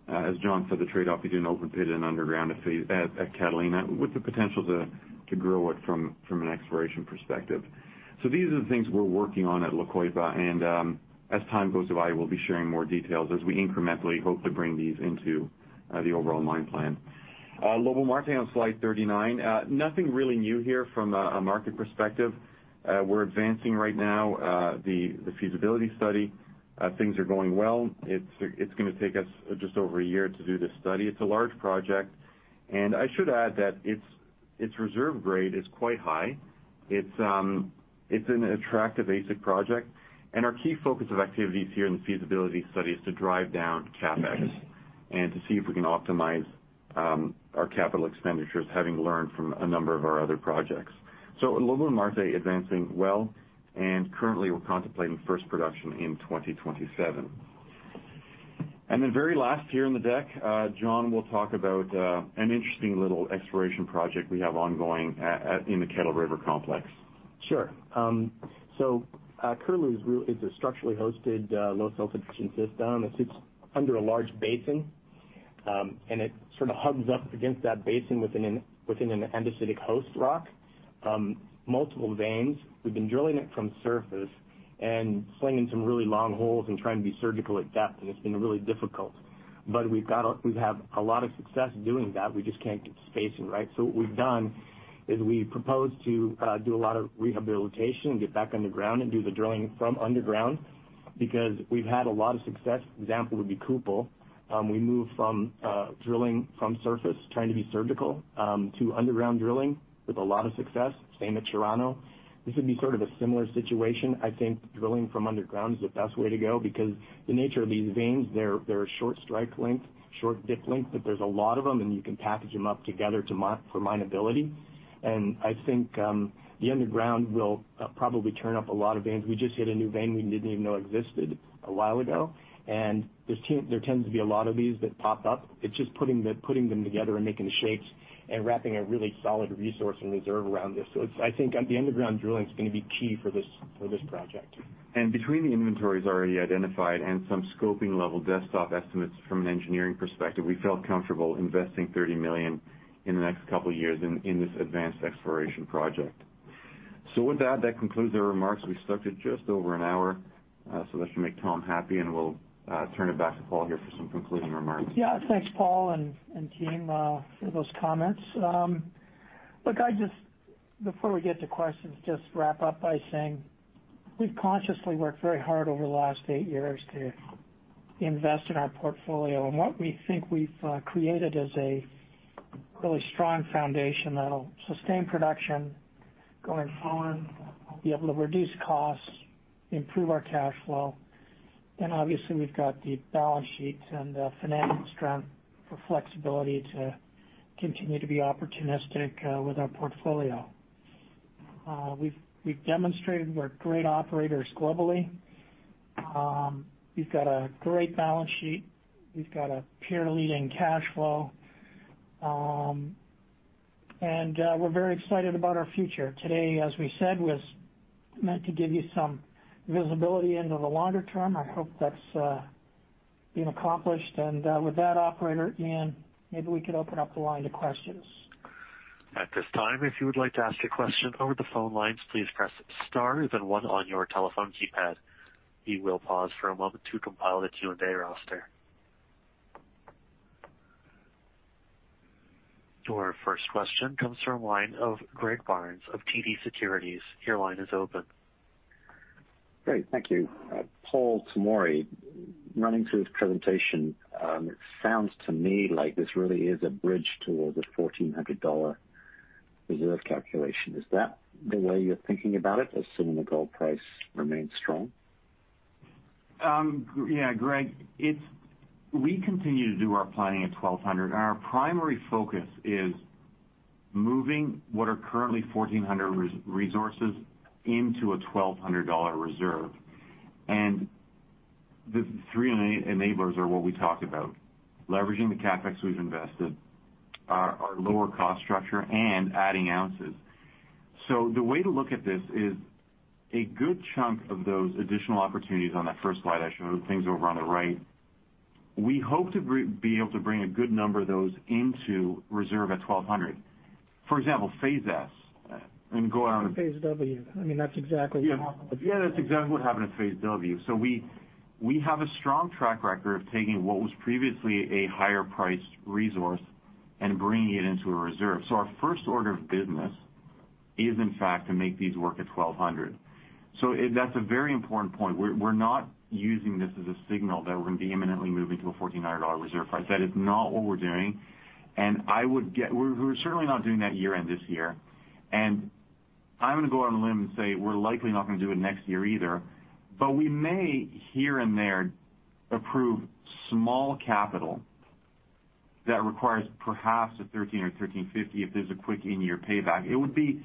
as John said, the trade-off between open pit and underground at Catalina, with the potential to grow it from an exploration perspective. These are the things we're working on at La Coipa, and as time goes by, we'll be sharing more details as we incrementally hope to bring these into the overall mine plan. Lobo-Marte on slide 39. Nothing really new here from a market perspective. We're advancing right now the feasibility study. Things are going well. It's going to take us just over a year to do this study. It's a large project, and I should add that its reserve grade is quite high. It's an attractive basic project, and our key focus of activities here in the feasibility study is to drive down CapEx and to see if we can optimize our capital expenditures, having learned from a number of our other projects. Lobo-Marte advancing well, and currently we're contemplating first production in 2027. Very last here in the deck, John will talk about an interesting little exploration project we have ongoing in the Kettle River complex. Sure. Curlew is a structurally hosted, low-sulfidation system. It sits under a large basin, and it sort of hugs up against that basin within an andesitic host rock. Multiple veins. We've been drilling it from surface and swinging some really long holes and trying to be surgical at depth, and it's been really difficult. We've had a lot of success doing that. We just can't get the spacing right. What we've done is we proposed to do a lot of rehabilitation and get back underground and do the drilling from underground. Because we've had a lot of success. An example would be Kupol. We moved from drilling from surface, trying to be surgical, to underground drilling with a lot of success. Same at Chirano. This would be sort of a similar situation. I think drilling from underground is the best way to go, because the nature of these veins, they're short strike length, short dip length, but there's a lot of them, and you can package them up together for mineability. I think the underground will probably turn up a lot of veins. We just hit a new vein we didn't even know existed a while ago, and there tends to be a lot of these that pop up. It's just putting them together and making the shapes and wrapping a really solid resource and reserve around this. I think the underground drilling is going to be key for this project. Between the inventories already identified and some scoping level desktop estimates from an engineering perspective, we felt comfortable investing $30 million in the next couple of years in this advanced exploration project. With that concludes our remarks. We stuck to just over an hour, that should make Tom happy. We'll turn it back to Paul here for some concluding remarks. Thanks, Paul and team, for those comments. Before we get to questions, just wrap up by saying we've consciously worked very hard over the last eight years to invest in our portfolio. What we think we've created is a really strong foundation that'll sustain production going forward. We'll be able to reduce costs, improve our cash flow, and obviously, we've got the balance sheet and the financial strength for flexibility to continue to be opportunistic with our portfolio. We've demonstrated we're great operators globally. We've got a great balance sheet. We've got a peer-leading cash flow. We're very excited about our future. Today, as we said, was meant to give you some visibility into the longer term. I hope that's been accomplished. With that, operator, Ian, maybe we could open up the line to questions. At this time, if you would like to ask a question over the phone lines, please press star then one on your telephone keypad. We will pause for a moment to compile the Q&A roster. Your first question comes from line of Greg Barnes of TD Securities. Your line is open. Great. Thank you. Paul Tomory, running through this presentation, it sounds to me like this really is a bridge towards a $1,400 reserve calculation. Is that the way you're thinking about it, assuming the gold price remains strong? Yeah, Greg, we continue to do our planning at $1,200, and our primary focus is moving what are currently $1,400 resources into a $1,200 reserve. The three enablers are what we talked about, leveraging the CapEx we've invested, our lower cost structure, and adding ounces. The way to look at this is a good chunk of those additional opportunities on that first slide I showed, the things over on the right, we hope to be able to bring a good number of those into reserve at $1,200. For example, Phase S and go out. Phase W. Yeah, that's exactly what happened at Phase W. We have a strong track record of taking what was previously a higher priced resource and bringing it into a reserve. Our first order of business is, in fact, to make these work at $1,200. That's a very important point. We're not using this as a signal that we're going to be imminently moving to a $1,400 reserve price. That is not what we're doing. We're certainly not doing that year-end this year. I'm going to go out on a limb and say we're likely not going to do it next year either. We may, here and there, approve small capital that requires perhaps a $1,300 or $1,350 if there's a quick in-year payback. It would be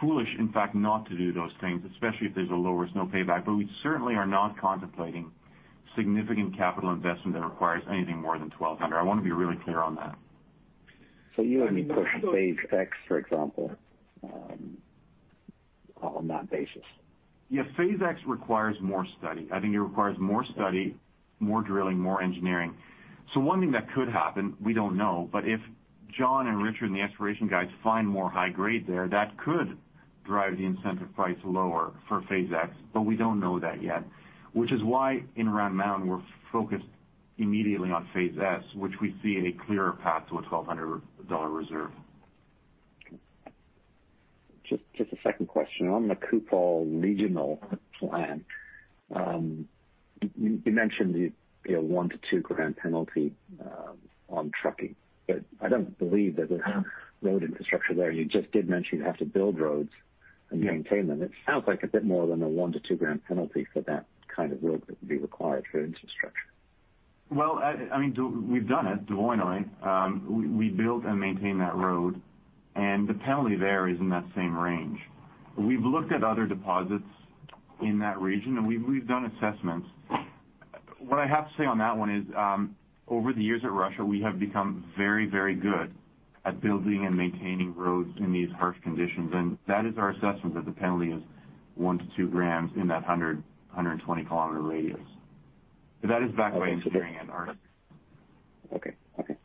foolish, in fact, not to do those things, especially if there's a lower snow payback. We certainly are not contemplating significant capital investment that requires anything more than $1,200. I want to be really clear on that. You wouldn't push Phase X, for example, on that basis. Yeah, Phase X requires more study. I think it requires more study, more drilling, more engineering. One thing that could happen, we don't know, but if John and Richard and the exploration guys find more high grade there, that could drive the incentive price lower for Phase X, but we don't know that yet, which is why in Round Mountain, we're focused immediately on Phase S, which we see a clearer path to a $1,200 reserve. Just a second question. On the Kupol regional plan, you mentioned the one to two gram penalty on trucking. I don't believe that there's road infrastructure there. You just did mention you'd have to build roads and maintain them. It sounds like a bit more than a one to two gram penalty for that kind of work that would be required for infrastructure. Well, we've done it, Dvoinoye. We built and maintain that road, and the penalty there is in that same range. We've looked at other deposits in that region, and we've done assessments. What I have to say on that one is, over the years at Russia, we have become very good at building and maintaining roads in these harsh conditions, and that is our assessment that the penalty is one to two grams in that 120 km radius. That is backed by engineering and audits. Okay.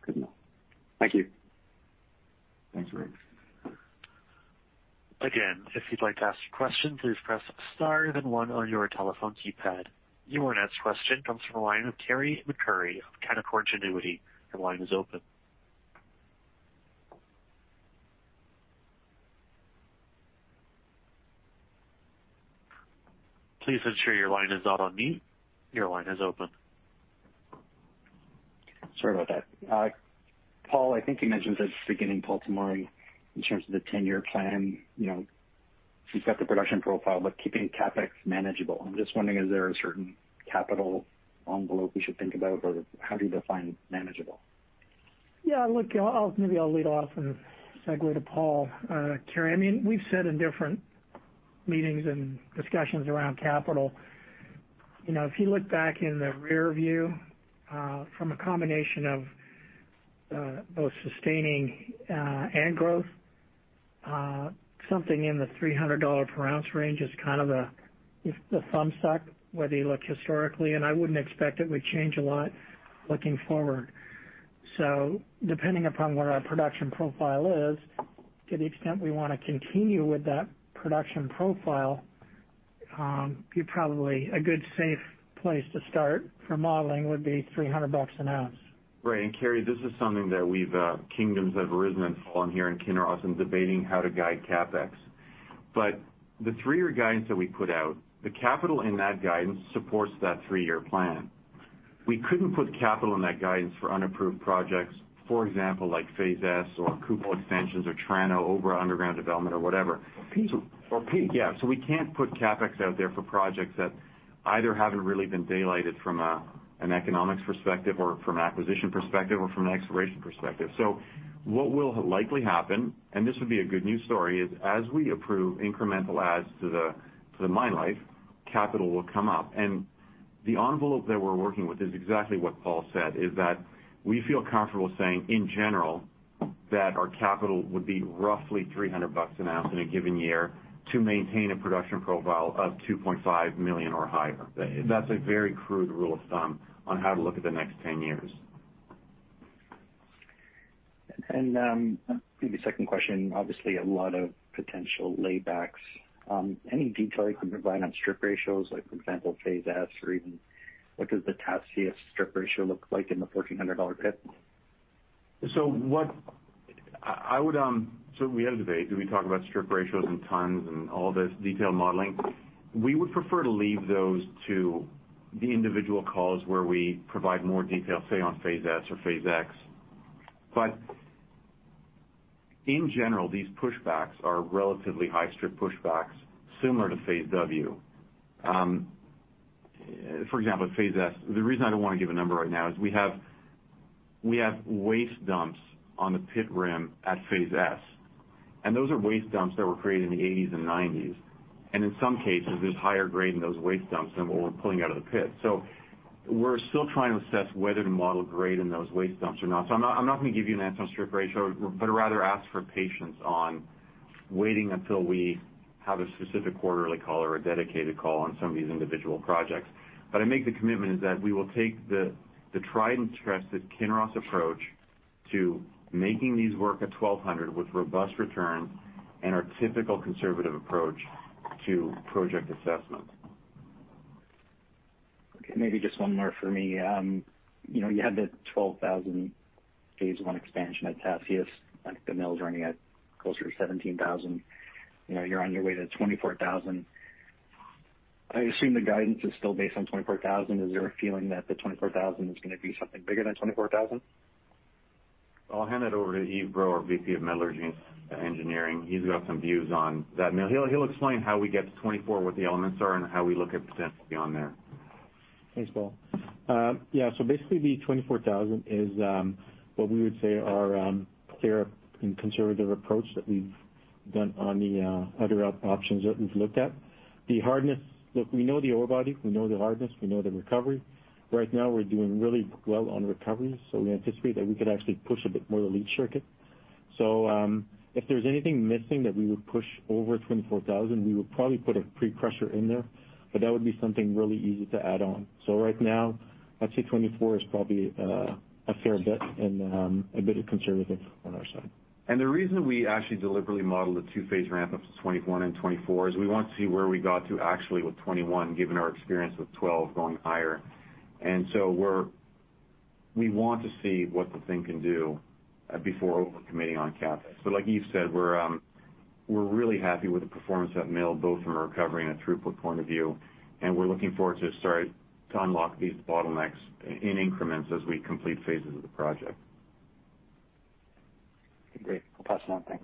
Good to know. Thank you. Thanks, Greg. Again, if you'd like to ask a question, please press star then one on your telephone keypad. Your next question comes from the line of Carey MacRury of Canaccord Genuity. Your line is open. Please ensure your line is not on mute. Your line is open. Sorry about that. Paul, I think you mentioned at the beginning, Bald Mountain, in terms of the 10-year plan, you've got the production profile, but keeping CapEx manageable. I'm just wondering, is there a certain capital envelope we should think about, or how do you define manageable? Yeah, look, maybe I'll lead off and segue to Paul. Carey, we've said in different meetings and discussions around capital, if you look back in the rearview, from a combination of both sustaining and growth, something in the $300 per ounce range is the thumb suck, whether you look historically. I wouldn't expect it would change a lot looking forward. Depending upon what our production profile is, to the extent we want to continue with that production profile, probably a good safe place to start for modeling would be $300 an ounce. Right. Carey, this is something that kingdoms have arisen and fallen here in Kinross in debating how to guide CapEx. The three-year guidance that we put out, the capital in that guidance supports that three-year plan. We couldn't put capital in that guidance for unapproved projects, for example, like Phase S or Kupol extensions or Chirano overall underground development or whatever. Peak. Peak, yeah. We can't put CapEx out there for projects that either haven't really been daylighted from an economics perspective or from an acquisition perspective or from an exploration perspective. What will likely happen, and this would be a good news story, is as we approve incremental adds to the mine life, capital will come up. The envelope that we're working with is exactly what Paul said, is that we feel comfortable saying, in general, that our capital would be roughly $300 an ounce in a given year to maintain a production profile of 2.5 million or higher. That's a very crude rule of thumb on how to look at the next 10 years. Maybe second question, obviously a lot of potential laybacks. Any detail you can provide on strip ratios, like for example, Phase S or even what does the Tasiast strip ratio look like in the $1,400 pit? We had a debate. Do we talk about strip ratios and tons and all this detailed modeling? We would prefer to leave those to the individual calls where we provide more detail, say, on Phase S or Phase X. In general, these pushbacks are relatively high strip pushbacks, similar to Phase W. For example, Phase S, the reason I don't want to give a number right now is we have waste dumps on the pit rim at Phase S, and those are waste dumps that were created in the '80s and '90s. In some cases, there's higher grade in those waste dumps than what we're pulling out of the pit. We're still trying to assess whether to model grade in those waste dumps or not. I'm not going to give you an answer on strip ratio, but rather ask for patience on waiting until we have a specific quarterly call or a dedicated call on some of these individual projects. I make the commitment is that we will take the tried and trusted Kinross approach to making these work at $1,200 with robust returns and our typical conservative approach to project assessment. Okay, maybe just one more for me. You had the 12,000 phase 1 expansion at Tasiast. I think the mill's running at closer to 17,000. You're on your way to 24,000. I assume the guidance is still based on 24,000. Is there a feeling that the 24,000 is going to be something bigger than 24,000? I'll hand it over to Yves Breau, our VP of Metallurgy and Engineering. He's got some views on that mill. He'll explain how we get to 24, what the elements are, and how we look at potentially beyond there. Thanks, Paul. Yeah, basically the 24,000 is what we would say our fair and conservative approach that we've done on the other options that we've looked at. The hardness, look, we know the ore body. We know the hardness. We know the recovery. Right now, we're doing really well on recovery, so we anticipate that we could actually push a bit more the leach circuit. If there's anything missing that we would push over 24,000, we would probably put a pre-crusher in there, but that would be something really easy to add on. Right now, I'd say 24 is probably a fair bet and a bit of conservative on our side. The reason we actually deliberately model the two-phase ramp-up to 21 and 24 is we want to see where we got to actually with 21, given our experience with 12 going higher. We want to see what the thing can do before over-committing on CapEx. Like Yves said, we're really happy with the performance at mill, both from a recovery and a throughput point of view, and we're looking forward to start to unlock these bottlenecks in increments as we complete phases of the project. Great. I'll pass it on. Thanks.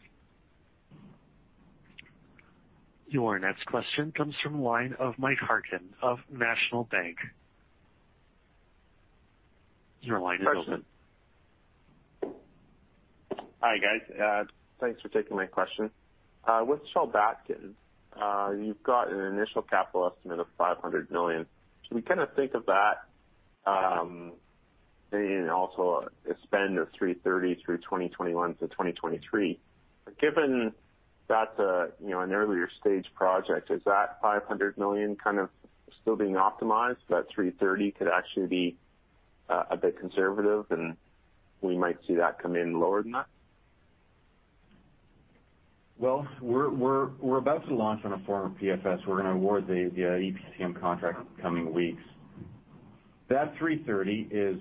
Your next question comes from the line of Mike Parkin of National Bank. Hi, guys. Thanks for taking my question. With Chulbatkan, you've got an initial capital estimate of $500 million. Can we kind of think of that and also a spend of $330 through 2021 to 2023? Given that's an earlier stage project, is that $500 million kind of still being optimized, that $330 could actually be a bit conservative and we might see that come in lower than that? Well, we're about to launch on a formal PFS. We're going to award the EPCM contract in the coming weeks. That $330 is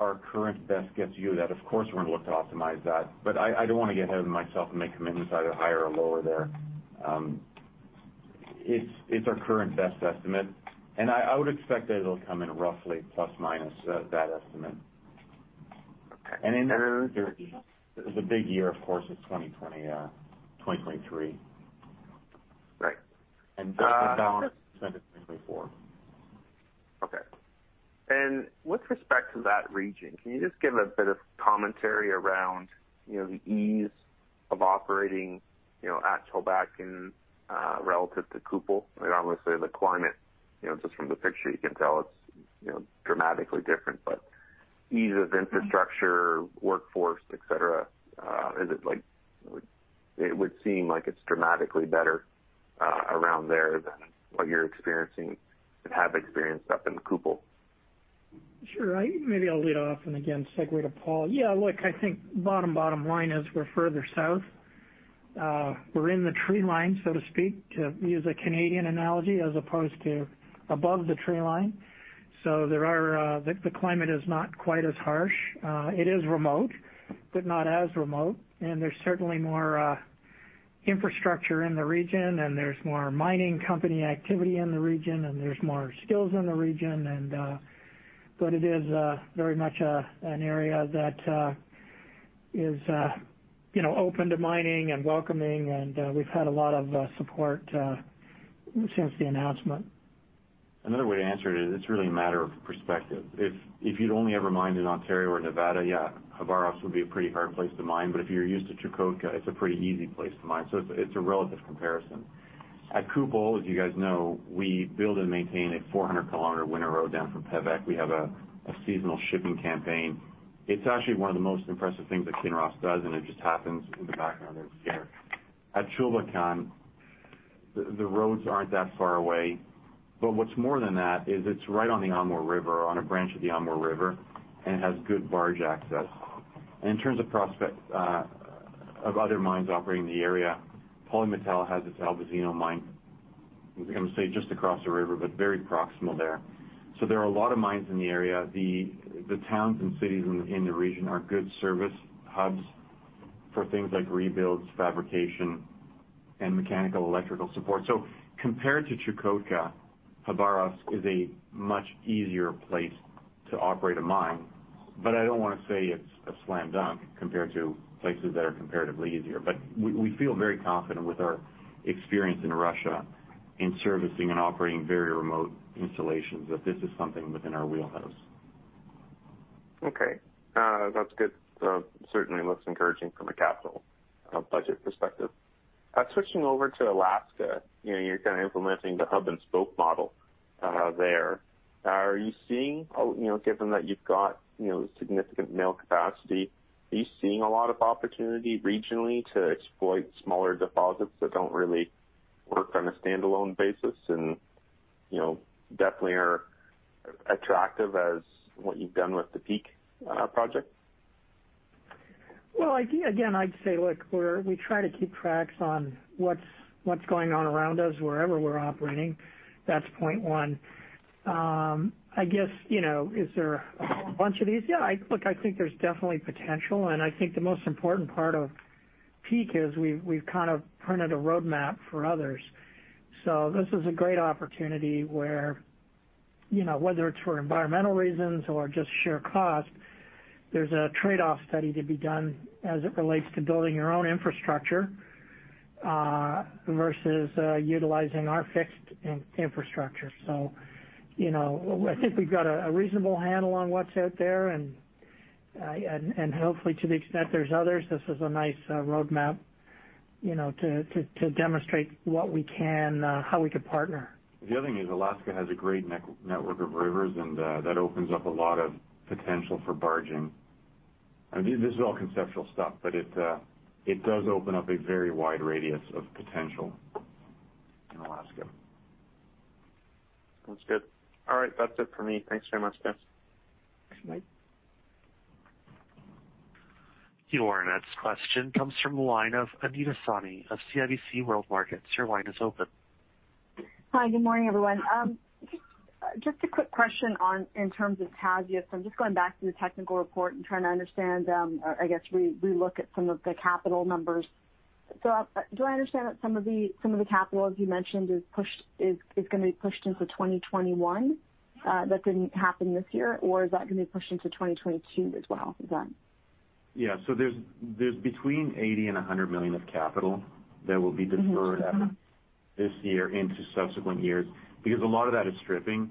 our current best guess view. Of course, we're going to look to optimize that, but I don't want to get ahead of myself and make commitments either higher or lower there. It's our current best estimate, and I would expect that it'll come in roughly ± that estimate. Okay. In there, the big year, of course, is 2023. Right. Rest of the balance into 2024. Okay. With respect to that region, can you just give a bit of commentary around the ease of operating at Chulbatkan, relative to Kupol? Obviously, the climate, just from the picture, you can tell it's dramatically different. Ease of infrastructure, workforce, et cetera. It would seem like it's dramatically better around there than what you're experiencing and have experienced up in Kupol. Sure. Maybe I'll lead off and, again, segue to Paul. Yeah, look, I think bottom line is we're further south. We're in the tree line, so to speak, to use a Canadian analogy, as opposed to above the tree line. The climate is not quite as harsh. It is remote, but not as remote, and there's certainly more infrastructure in the region, and there's more mining company activity in the region, and there's more skills in the region. It is very much an area that is open to mining and welcoming, and we've had a lot of support since the announcement. Another way to answer it is it's really a matter of perspective. If you'd only ever mined in Ontario or Nevada, yeah, Khabarovsk would be a pretty hard place to mine. If you're used to Chukotka, it's a pretty easy place to mine. It's a relative comparison. At Kupol, as you guys know, we build and maintain a 400-kilometer winter road down from Pevek. We have a seasonal shipping campaign. It's actually one of the most impressive things that Kinross does, and it just happens in the background every year. At Chulbatkan, the roads aren't that far away, but what's more than that is it's right on the Amur River, on a branch of the Amur River, and it has good barge access. In terms of other mines operating in the area, Polymetal has its Albazino mine, I was going to say just across the river, very proximal there. There are a lot of mines in the area. The towns and cities in the region are good service hubs for things like rebuilds, fabrication, and mechanical electrical support. Compared to Chukotka, Khabarovsk is a much easier place to operate a mine. I don't want to say it's a slam dunk compared to places that are comparatively easier. We feel very confident with our experience in Russia in servicing and operating very remote installations, that this is something within our wheelhouse. Okay. That's good. Certainly looks encouraging from a capital budget perspective. Switching over to Alaska, you're kind of implementing the hub and spoke model there. Given that you've got significant mill capacity, are you seeing a lot of opportunity regionally to exploit smaller deposits that don't really work on a standalone basis, and definitely are attractive as what you've done with the Peak project? Again, I'd say, look, we try to keep track on what's going on around us, wherever we're operating. That's point 1. I guess, is there a whole bunch of these? Look, I think there's definitely potential, and I think the most important part of Peak is we've kind of printed a roadmap for others. This is a great opportunity where, whether it's for environmental reasons or just sheer cost, there's a trade-off study to be done as it relates to building your own infrastructure versus utilizing our fixed infrastructure. I think we've got a reasonable handle on what's out there, and hopefully to the extent there's others, this is a nice roadmap to demonstrate what we can, how we could partner. The other thing is Alaska has a great network of rivers, that opens up a lot of potential for barging. I mean, this is all conceptual stuff, it does open up a very wide radius of potential in Alaska. That's good. All right, that's it for me. Thanks very much, guys. Thanks, Mike. Your next question comes from the line of Anita Soni of CIBC World Markets. Your line is open. Hi, good morning, everyone. Just a quick question in terms of Tasiast. I'm just going back to the technical report and trying to understand, I guess, relook at some of the capital numbers. Do I understand that some of the capital, as you mentioned, is going to be pushed into 2021, that didn't happen this year? Is that going to be pushed into 2022 as well? Yeah, there's between $80 million and $100 million of capital that will be deferred. After this year into subsequent years. A lot of that is stripping.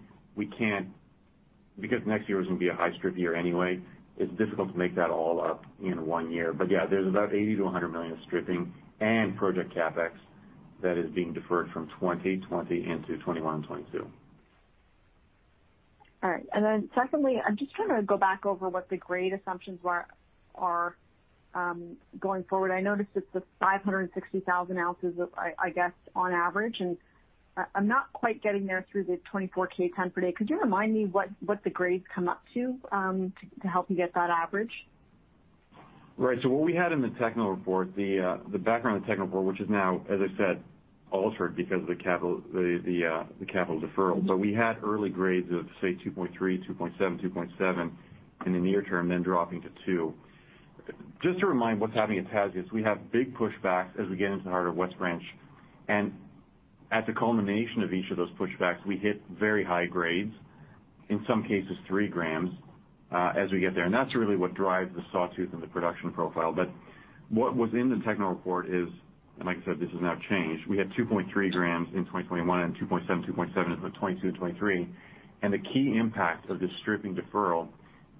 Next year is going to be a high strip year anyway, it's difficult to make that all up in one year. Yeah, there's about $80 million-$100 million of stripping and project CapEx that is being deferred from 2020 into 2021 and 2022. All right. Secondly, I'm just trying to go back over what the grade assumptions are going forward. I noticed it's the 560,000 ounces, I guess, on average, and I'm not quite getting there through the 24k ton per day. Could you remind me what the grades come up to help you get that average? Right. What we had in the technical report, the background of the technical report, which is now, as I said, altered because of the capital deferral. We had early grades of, say, 2.3, 2.7, 2.7 in the near term, then dropping to two. Just to remind what's happening at Tasiast, we have big pushbacks as we get into the heart of West Branch, and at the culmination of each of those pushbacks, we hit very high grades, in some cases three grams, as we get there. That's really what drives the sawtooth and the production profile. What was in the technical report is, and like I said, this has now changed. We had 2.3 grams in 2021 and 2.7, 2.7 in 2022, 2023. The key impact of this stripping deferral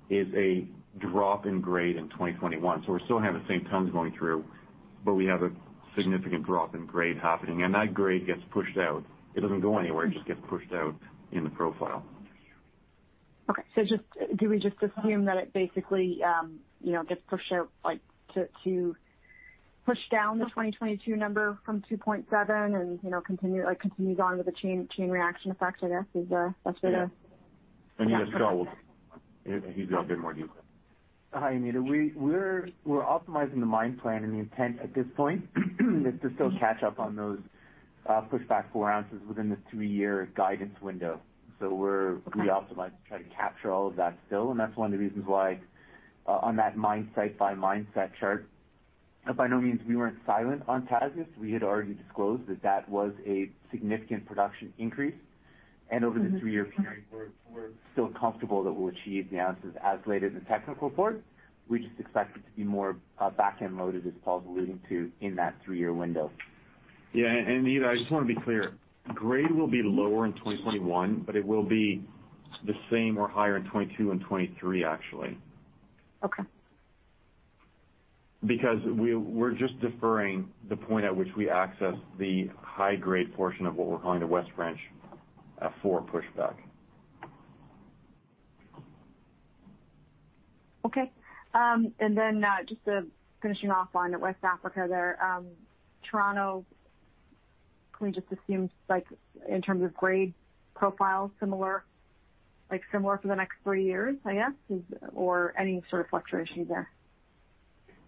is a drop in grade in 2021. We still have the same tons going through, but we have a significant drop in grade happening. That grade gets pushed out. It doesn't go anywhere, it just gets pushed out in the profile. Okay. Do we just assume that it basically gets pushed out, like to push down the 2022 number from 2.7 and continues on with the chain reaction effect, I guess, is that's the? Yeah. Yes, Scott will give you a bit more detail. Hi, Anita. We're optimizing the mine plan, and the intent at this point is to still catch up on those pushed back four ounces within the three-year guidance window. Okay We optimized to try to capture all of that still, and that's one of the reasons why on that mine site by mine site chart, by no means we weren't silent on Tasiast. We had already disclosed that that was a significant production increase. Over the three-year period, we're still comfortable that we'll achieve the ounces as stated in the technical report. We just expect it to be more backend loaded, as Paul's alluding to, in that three-year window. Anita, I just want to be clear. Grade will be lower in 2021, it will be the same or higher in 2022 and 2023, actually. Okay. We're just deferring the point at which we access the high grade portion of what we're calling the West Branch 4 pushback. Okay. Just finishing off on West Africa there, Chirano, can we just assume, in terms of grade profile, similar for the next three years, I guess? Any sort of fluctuations there?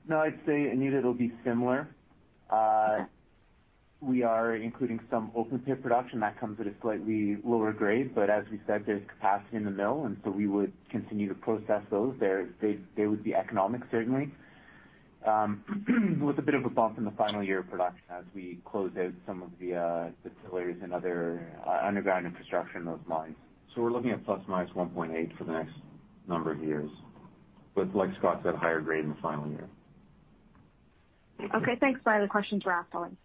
No, I'd say, Anita, it'll be similar. Okay. We are including some open pit production that comes at a slightly lower grade, but as we said, there's capacity in the mill, and so we would continue to process those. They would be economic, certainly, with a bit of a bump in the final year of production as we close out some of the pillars and other underground infrastructure in those mines. We're looking at ±1.8 for the next number of years, but like Scott said, higher grade in the final year. Okay, thanks. Other questions for Mike Parkin.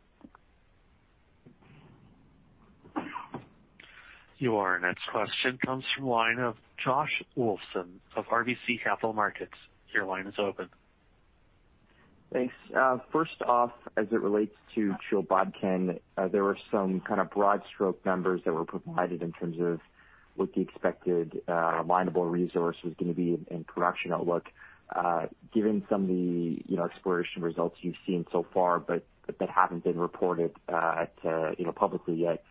Your next question comes from the line of Josh Wolfson of RBC Capital Markets. Your line is open. Thanks. First off, as it relates to Chulbatkan, there were some kind of broad stroke numbers that were provided in terms of what the expected minable resource was going to be and production outlook. Given some of the exploration results you've seen so far, but that haven't been reported publicly yet,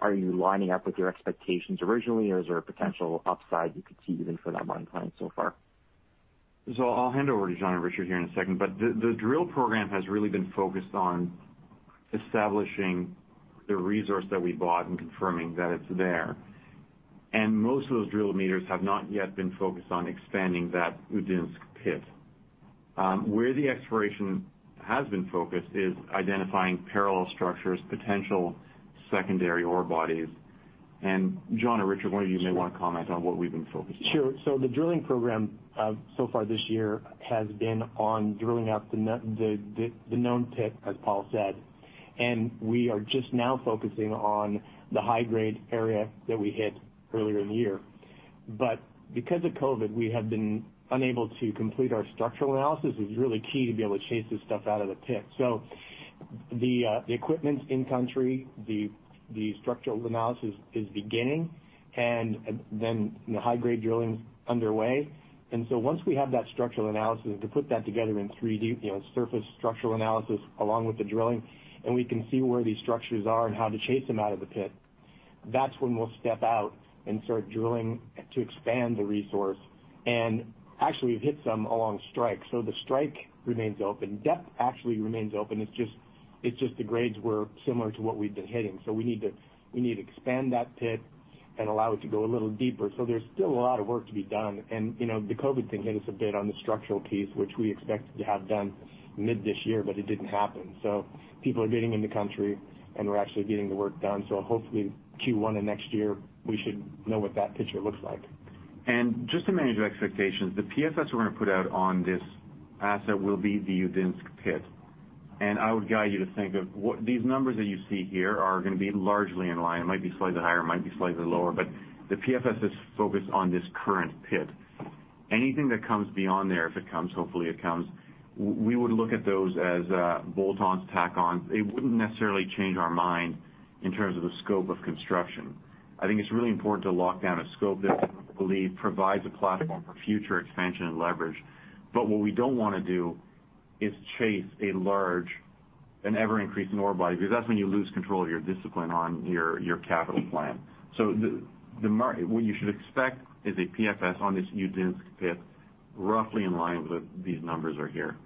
are you lining up with your expectations originally, or is there a potential upside you could see even for that mine plan so far? I'll hand over to John or Richard here in a second, but the drill program has really been focused on establishing the resource that we bought and confirming that it's there. Most of those drill meters have not yet been focused on expanding that Udinsk pit. Where the exploration has been focused is identifying parallel structures, potential secondary ore bodies. John or Richard, one of you may want to comment on what we've been focusing on. Sure. The drilling program so far this year has been on drilling out the known pit, as Paul said. We are just now focusing on the high-grade area that we hit earlier in the year. Because of COVID, we have been unable to complete our structural analysis, which is really key to be able to chase this stuff out of the pit. The equipment's in country, the structural analysis is beginning, and then the high-grade drilling's underway. Once we have that structural analysis to put that together in 3D, surface structural analysis along with the drilling, and we can see where these structures are and how to chase them out of the pit, that's when we'll step out and start drilling to expand the resource. Actually, we've hit some along strike. The strike remains open. Depth actually remains open, it's just the grades were similar to what we've been hitting. We need to expand that pit and allow it to go a little deeper. There's still a lot of work to be done. The COVID thing hit us a bit on the structural piece, which we expected to have done mid this year, but it didn't happen. People are getting in the country, and we're actually getting the work done. Hopefully Q1 of next year, we should know what that picture looks like. Just to manage your expectations, the PFS we're going to put out on this asset will be the Udinsk pit. I would guide you to think of these numbers that you see here are going to be largely in line. It might be slightly higher, it might be slightly lower, but the PFS is focused on this current pit. Anything that comes beyond there, if it comes, hopefully it comes, we would look at those as bolt-ons, tack-ons. It wouldn't necessarily change our mind in terms of the scope of construction. I think it's really important to lock down a scope that I believe provides a platform for future expansion and leverage. What we don't want to do is chase a large an ever-increasing ore body, because that's when you lose control of your discipline on your capital plan. What you should expect is a PFS on this Udinsk pit, roughly in line with what these numbers are here.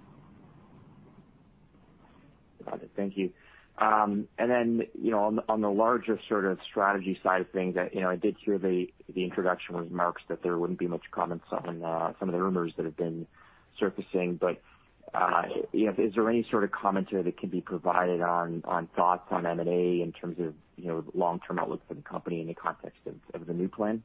Got it. Thank you. On the larger sort of strategy side of things, I did hear the introduction remarks that there wouldn't be much comments on some of the rumors that have been surfacing. Is there any sort of commentary that can be provided on thoughts on M&A in terms of long-term outlook for the company in the context of the new plan?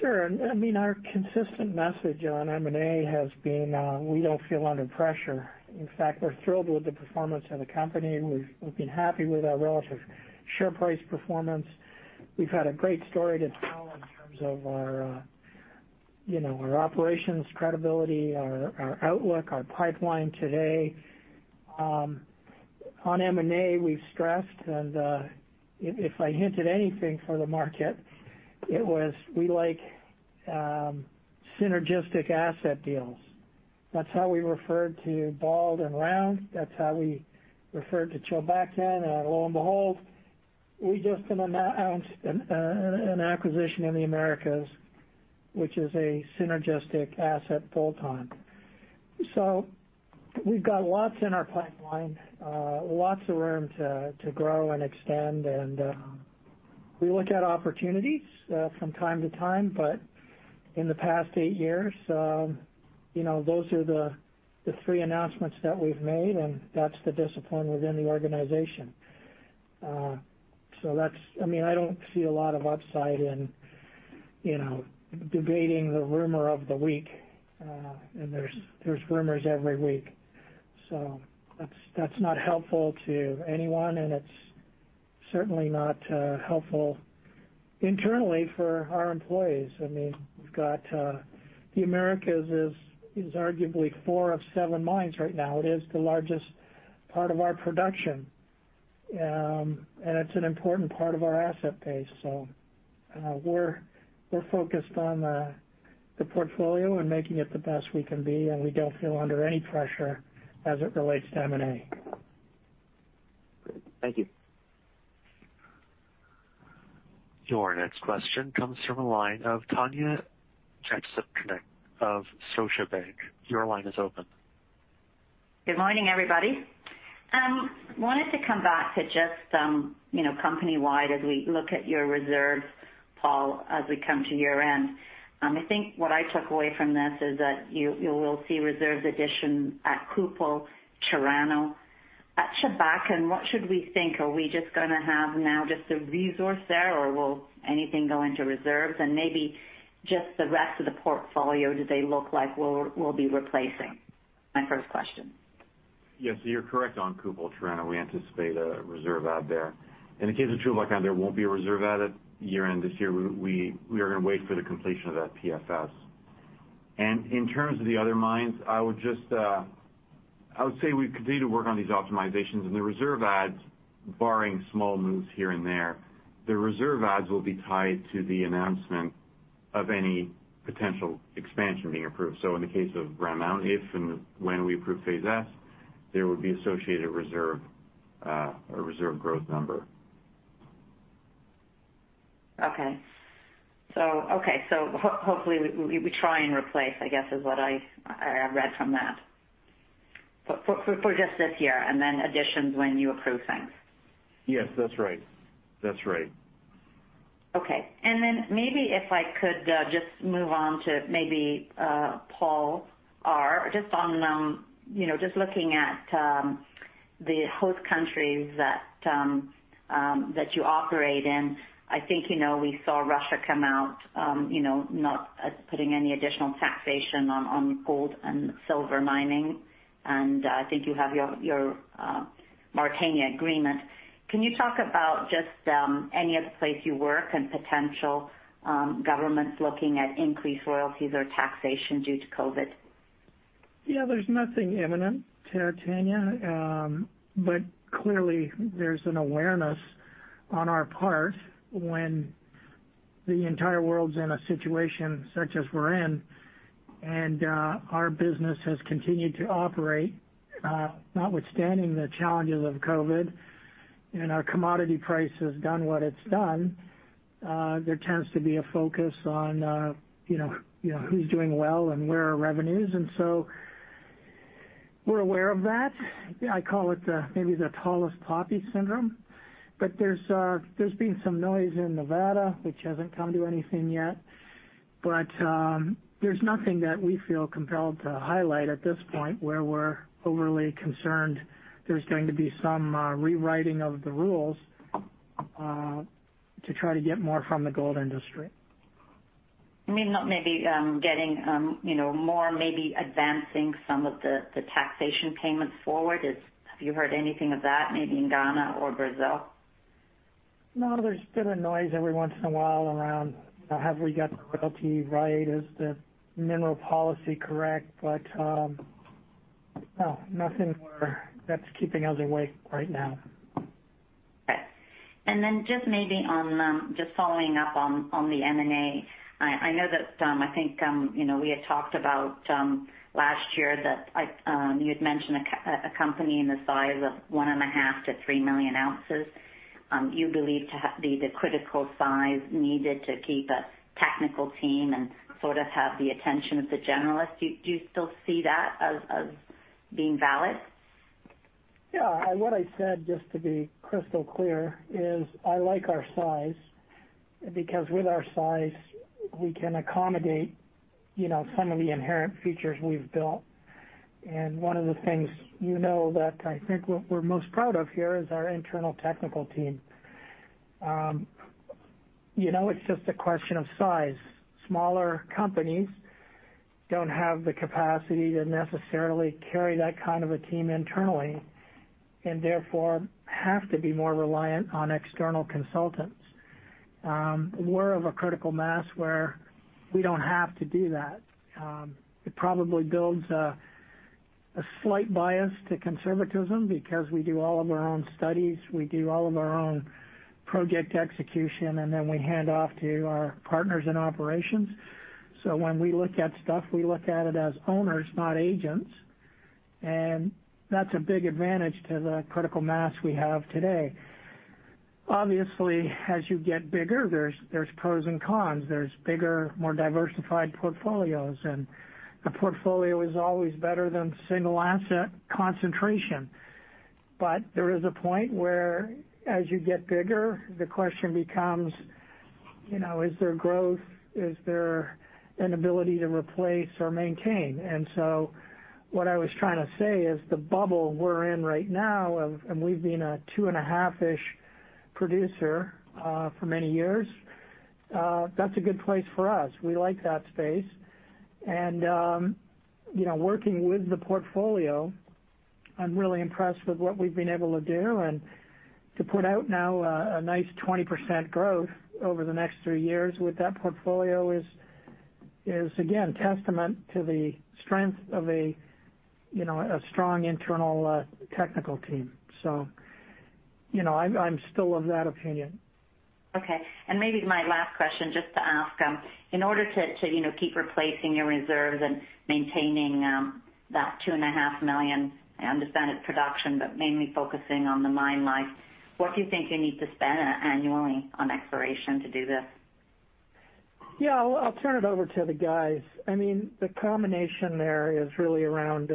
Sure. Our consistent message on M&A has been, we don't feel under pressure. In fact, we're thrilled with the performance of the company. We've been happy with our relative share price performance. We've had a great story to tell in terms of our operations credibility, our outlook, our pipeline today. On M&A, we've stressed. If I hinted anything for the market, it was we like synergistic asset deals. That's how we referred to Bald and Round. That's how we referred to Chulbatkan, and lo and behold, we just announced an acquisition in the Americas, which is a synergistic asset both times. We've got lots in our pipeline, lots of room to grow and extend, and we look at opportunities from time to time. In the past eight years, those are the three announcements that we've made. That's the discipline within the organization. I don't see a lot of upside in debating the rumor of the week, and there's rumors every week. That's not helpful to anyone, and it's certainly not helpful internally for our employees. The Americas is arguably four of seven mines right now. It is the largest part of our production. It's an important part of our asset base. We're focused on the portfolio and making it the best we can be, and we don't feel under any pressure as it relates to M&A. Great. Thank you. Your next question comes from the line of Tanya Jakusconek of SocGen. Your line is open. Good morning, everybody. Wanted to come back to just some company-wide as we look at your reserves, Paul, as we come to year-end. I think what I took away from this is that you will see reserves addition at Kupol, Chirano. At Chulbatkan, what should we think? Are we just going to have now just a resource there, or will anything go into reserves? Maybe just the rest of the portfolio, do they look like we'll be replacing? My first question. Yes, you're correct on Kupol, Chirano. We anticipate a reserve add there. In the case of Chulbatkan, there won't be a reserve added year-end this year. We are going to wait for the completion of that PFS. In terms of the other mines, I would say we continue to work on these optimizations and the reserve adds, barring small moves here and there, the reserve adds will be tied to the announcement of any potential expansion being approved. In the case of Round Mountain, if and when we approve Phase S, there would be associated reserve or reserve growth number. Okay. Hopefully, we try and replace, I guess is what I read from that. For just this year, additions when you approve things. Yes, that's right. Okay. Maybe if I could just move on to maybe, Paul R, just looking at the host countries that you operate in. I think we saw Russia come out, not putting any additional taxation on gold and silver mining. I think you have your Mauritania agreement. Can you talk about just any other place you work and potential governments looking at increased royalties or taxation due to COVID? Yeah, there's nothing imminent to Mauritania. Clearly, there's an awareness on our part when the entire world's in a situation such as we're in, and our business has continued to operate, notwithstanding the challenges of COVID, and our commodity price has done what it's done, there tends to be a focus on who's doing well and where are revenues. We're aware of that. I call it the tallest poppy syndrome. There's been some noise in Nevada, which hasn't come to anything yet. There's nothing that we feel compelled to highlight at this point where we're overly concerned there's going to be some rewriting of the rules to try to get more from the gold industry. Maybe not maybe getting more, maybe advancing some of the taxation payments forward. Have you heard anything of that, maybe in Ghana or Brazil? No, there's been a noise every once in a while around have we got the royalty right, is the mineral policy correct, but no, nothing that's keeping us awake right now. Just maybe on just following up on the M&A. I know that I think we had talked about last year that you had mentioned a company in the size of 1.5 million to 3 million ounces, you believe to be the critical size needed to keep a technical team and sort of have the attention of the generalist. Do you still see that as being valid? Yeah. What I said, just to be crystal clear, is I like our size because with our size, we can accommodate some of the inherent features we've built. One of the things you know that I think what we're most proud of here is our internal technical team. It's just a question of size. Smaller companies don't have the capacity to necessarily carry that kind of a team internally, and therefore have to be more reliant on external consultants. We're of a critical mass where we don't have to do that. It probably builds a slight bias to conservatism because we do all of our own studies, we do all of our own project execution, and then we hand off to our partners in operations. When we look at stuff, we look at it as owners, not agents. That's a big advantage to the critical mass we have today. Obviously, as you get bigger, there's pros and cons. There's bigger, more diversified portfolios, and a portfolio is always better than single asset concentration. There is a point where as you get bigger, the question becomes, is there growth? Is there an ability to replace or maintain? What I was trying to say is the bubble we're in right now, and we've been a 2.5-ish producer for many years, that's a good place for us. We like that space, and working with the portfolio, I'm really impressed with what we've been able to do and to put out now a nice 20% growth over the next three years with that portfolio is again, testament to the strength of a strong internal technical team. I'm still of that opinion. Okay. Maybe my last question just to ask, in order to keep replacing your reserves and maintaining that two and a half million, I understand it's production, but mainly focusing on the mine life, what do you think you need to spend annually on exploration to do this? Yeah. I'll turn it over to the guys. The combination there is really around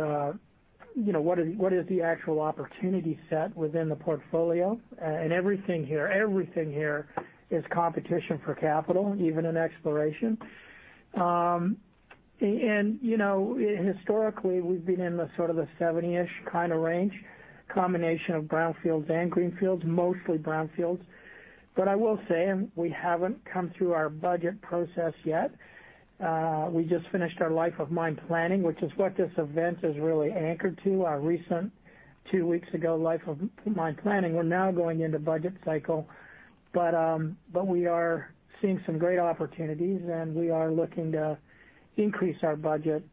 what is the actual opportunity set within the portfolio. Everything here is competition for capital, even in exploration. Historically, we've been in the sort of the 70-ish kind of range, combination of brownfields and greenfields, mostly brownfields. I will say, and we haven't come through our budget process yet, we just finished our life of mine planning, which is what this event is really anchored to, our recent two weeks ago life of mine planning. We're now going into budget cycle, but we are seeing some great opportunities and we are looking to increase our budget.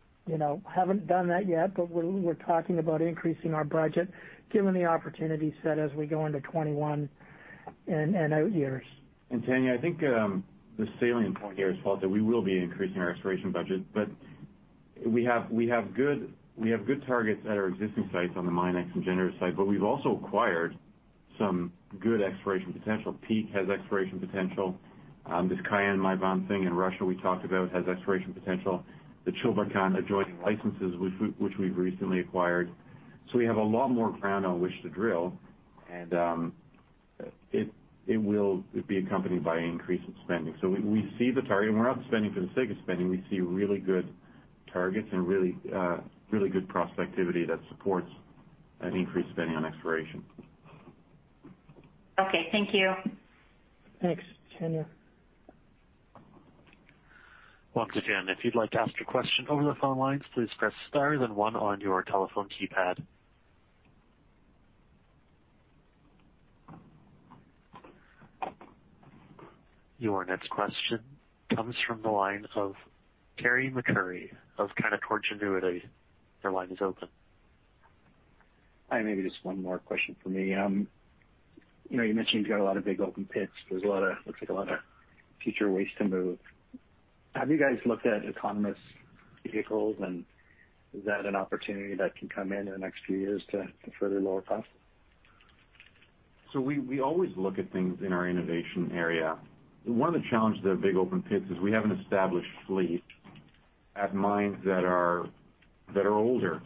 Haven't done that yet, but we're talking about increasing our budget given the opportunity set as we go into 2021 and out years. Tanya, I think the salient point here is that we will be increasing our exploration budget, but we have good targets at our existing sites on the MinEx and generative site, but we've also acquired some good exploration potential. Peak has exploration potential. This Kiamlyvan thing in Russia we talked about has exploration potential. The Chulbatkan adjoining licenses, which we've recently acquired. We have a lot more ground on which to drill, and it will be accompanied by an increase in spending. We see the target and we're up spending for the sake of spending. We see really good targets and really good prospectivity that supports an increased spending on exploration. Okay. Thank you. Thanks, Tanya. Your next question comes from the line of Carey MacRury of Canaccord Genuity. Your line is open. Hi, maybe just one more question for me. You mentioned you've got a lot of big open pits. There looks like a lot of future ways to move. Have you guys looked at autonomous vehicles, and is that an opportunity that can come in in the next few years to further lower costs? We always look at things in our innovation area. One of the challenges of big open pits is we have an established fleet at mines that are older.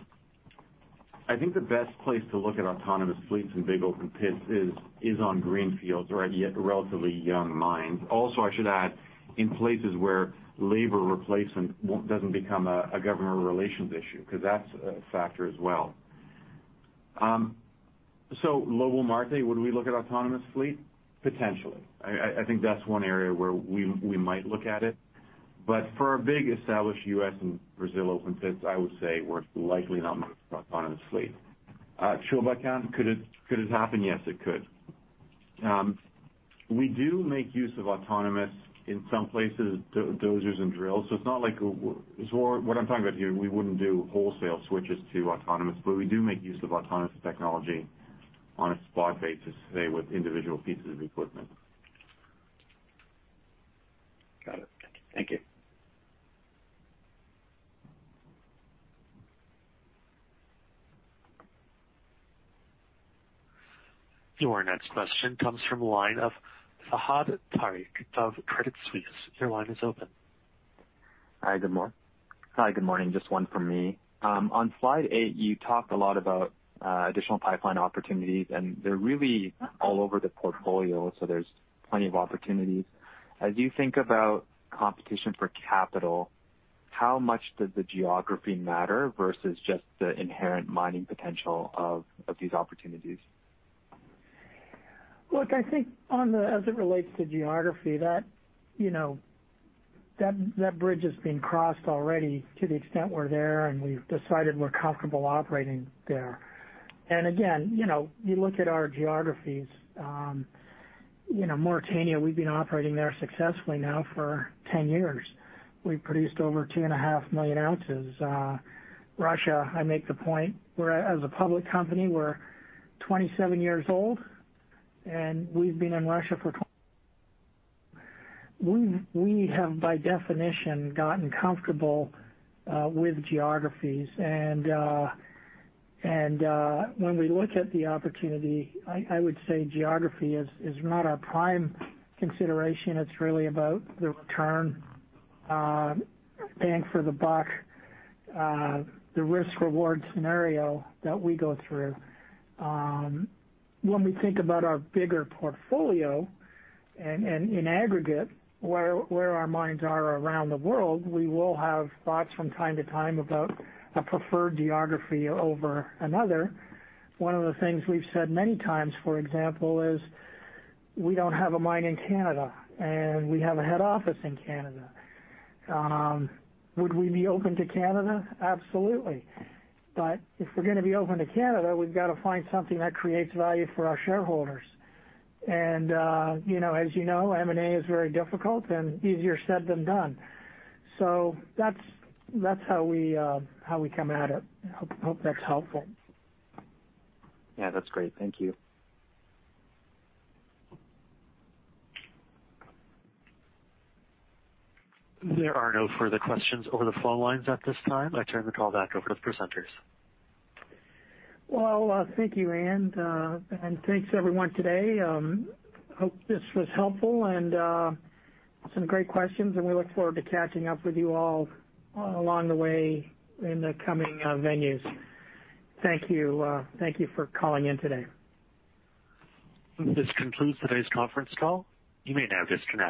I think the best place to look at autonomous fleets in big open pits is on greenfields or at yet relatively young mines. I should add, in places where labor replacement doesn't become a government relations issue, because that's a factor as well. Global market, would we look at autonomous fleet? Potentially. I think that's one area where we might look at it. For our big established U.S. and Brazil open pits, I would say we're likely not going to look at autonomous fleet. Chulbatkan, could it happen? Yes, it could. We do make use of autonomous in some places, dozers and drills. It's not what I'm talking about here, we wouldn't do wholesale switches to autonomous, but we do make use of autonomous technology on a spot basis, say, with individual pieces of equipment. Got it. Thank you. Your next question comes from the line of Fahad Tariq of Credit Suisse. Your line is open. Hi, good morning. Just one from me. On slide eight, you talked a lot about additional pipeline opportunities, and they're really all over the portfolio, so there's plenty of opportunities. As you think about competition for capital, how much does the geography matter versus just the inherent mining potential of these opportunities? Look, I think as it relates to geography, that bridge has been crossed already to the extent we're there and we've decided we're comfortable operating there. Again, you look at our geographies. Mauritania, we've been operating there successfully now for 10 years. We've produced over 2.5 million ounces. Russia, I make the point, as a public company, we're 27 years old, and we've been in Russia for. We have, by definition, gotten comfortable with geographies. When we look at the opportunity, I would say geography is not our prime consideration. It's really about the return, bang for the buck, the risk/reward scenario that we go through. When we think about our bigger portfolio and in aggregate, where our mines are around the world, we will have thoughts from time to time about a preferred geography over another. One of the things we've said many times, for example, is we don't have a mine in Canada, and we have a head office in Canada. Would we be open to Canada? Absolutely. If we're going to be open to Canada, we've got to find something that creates value for our shareholders. As you know, M&A is very difficult and easier said than done. That's how we come at it. Hope that's helpful. Yeah, that's great. Thank you. There are no further questions over the phone lines at this time. I turn the call back over to the presenters. Well, thank you, Anne. Thanks everyone today. Hope this was helpful and some great questions, and we look forward to catching up with you all along the way in the coming venues. Thank you for calling in today. This concludes today's conference call. You may now disconnect.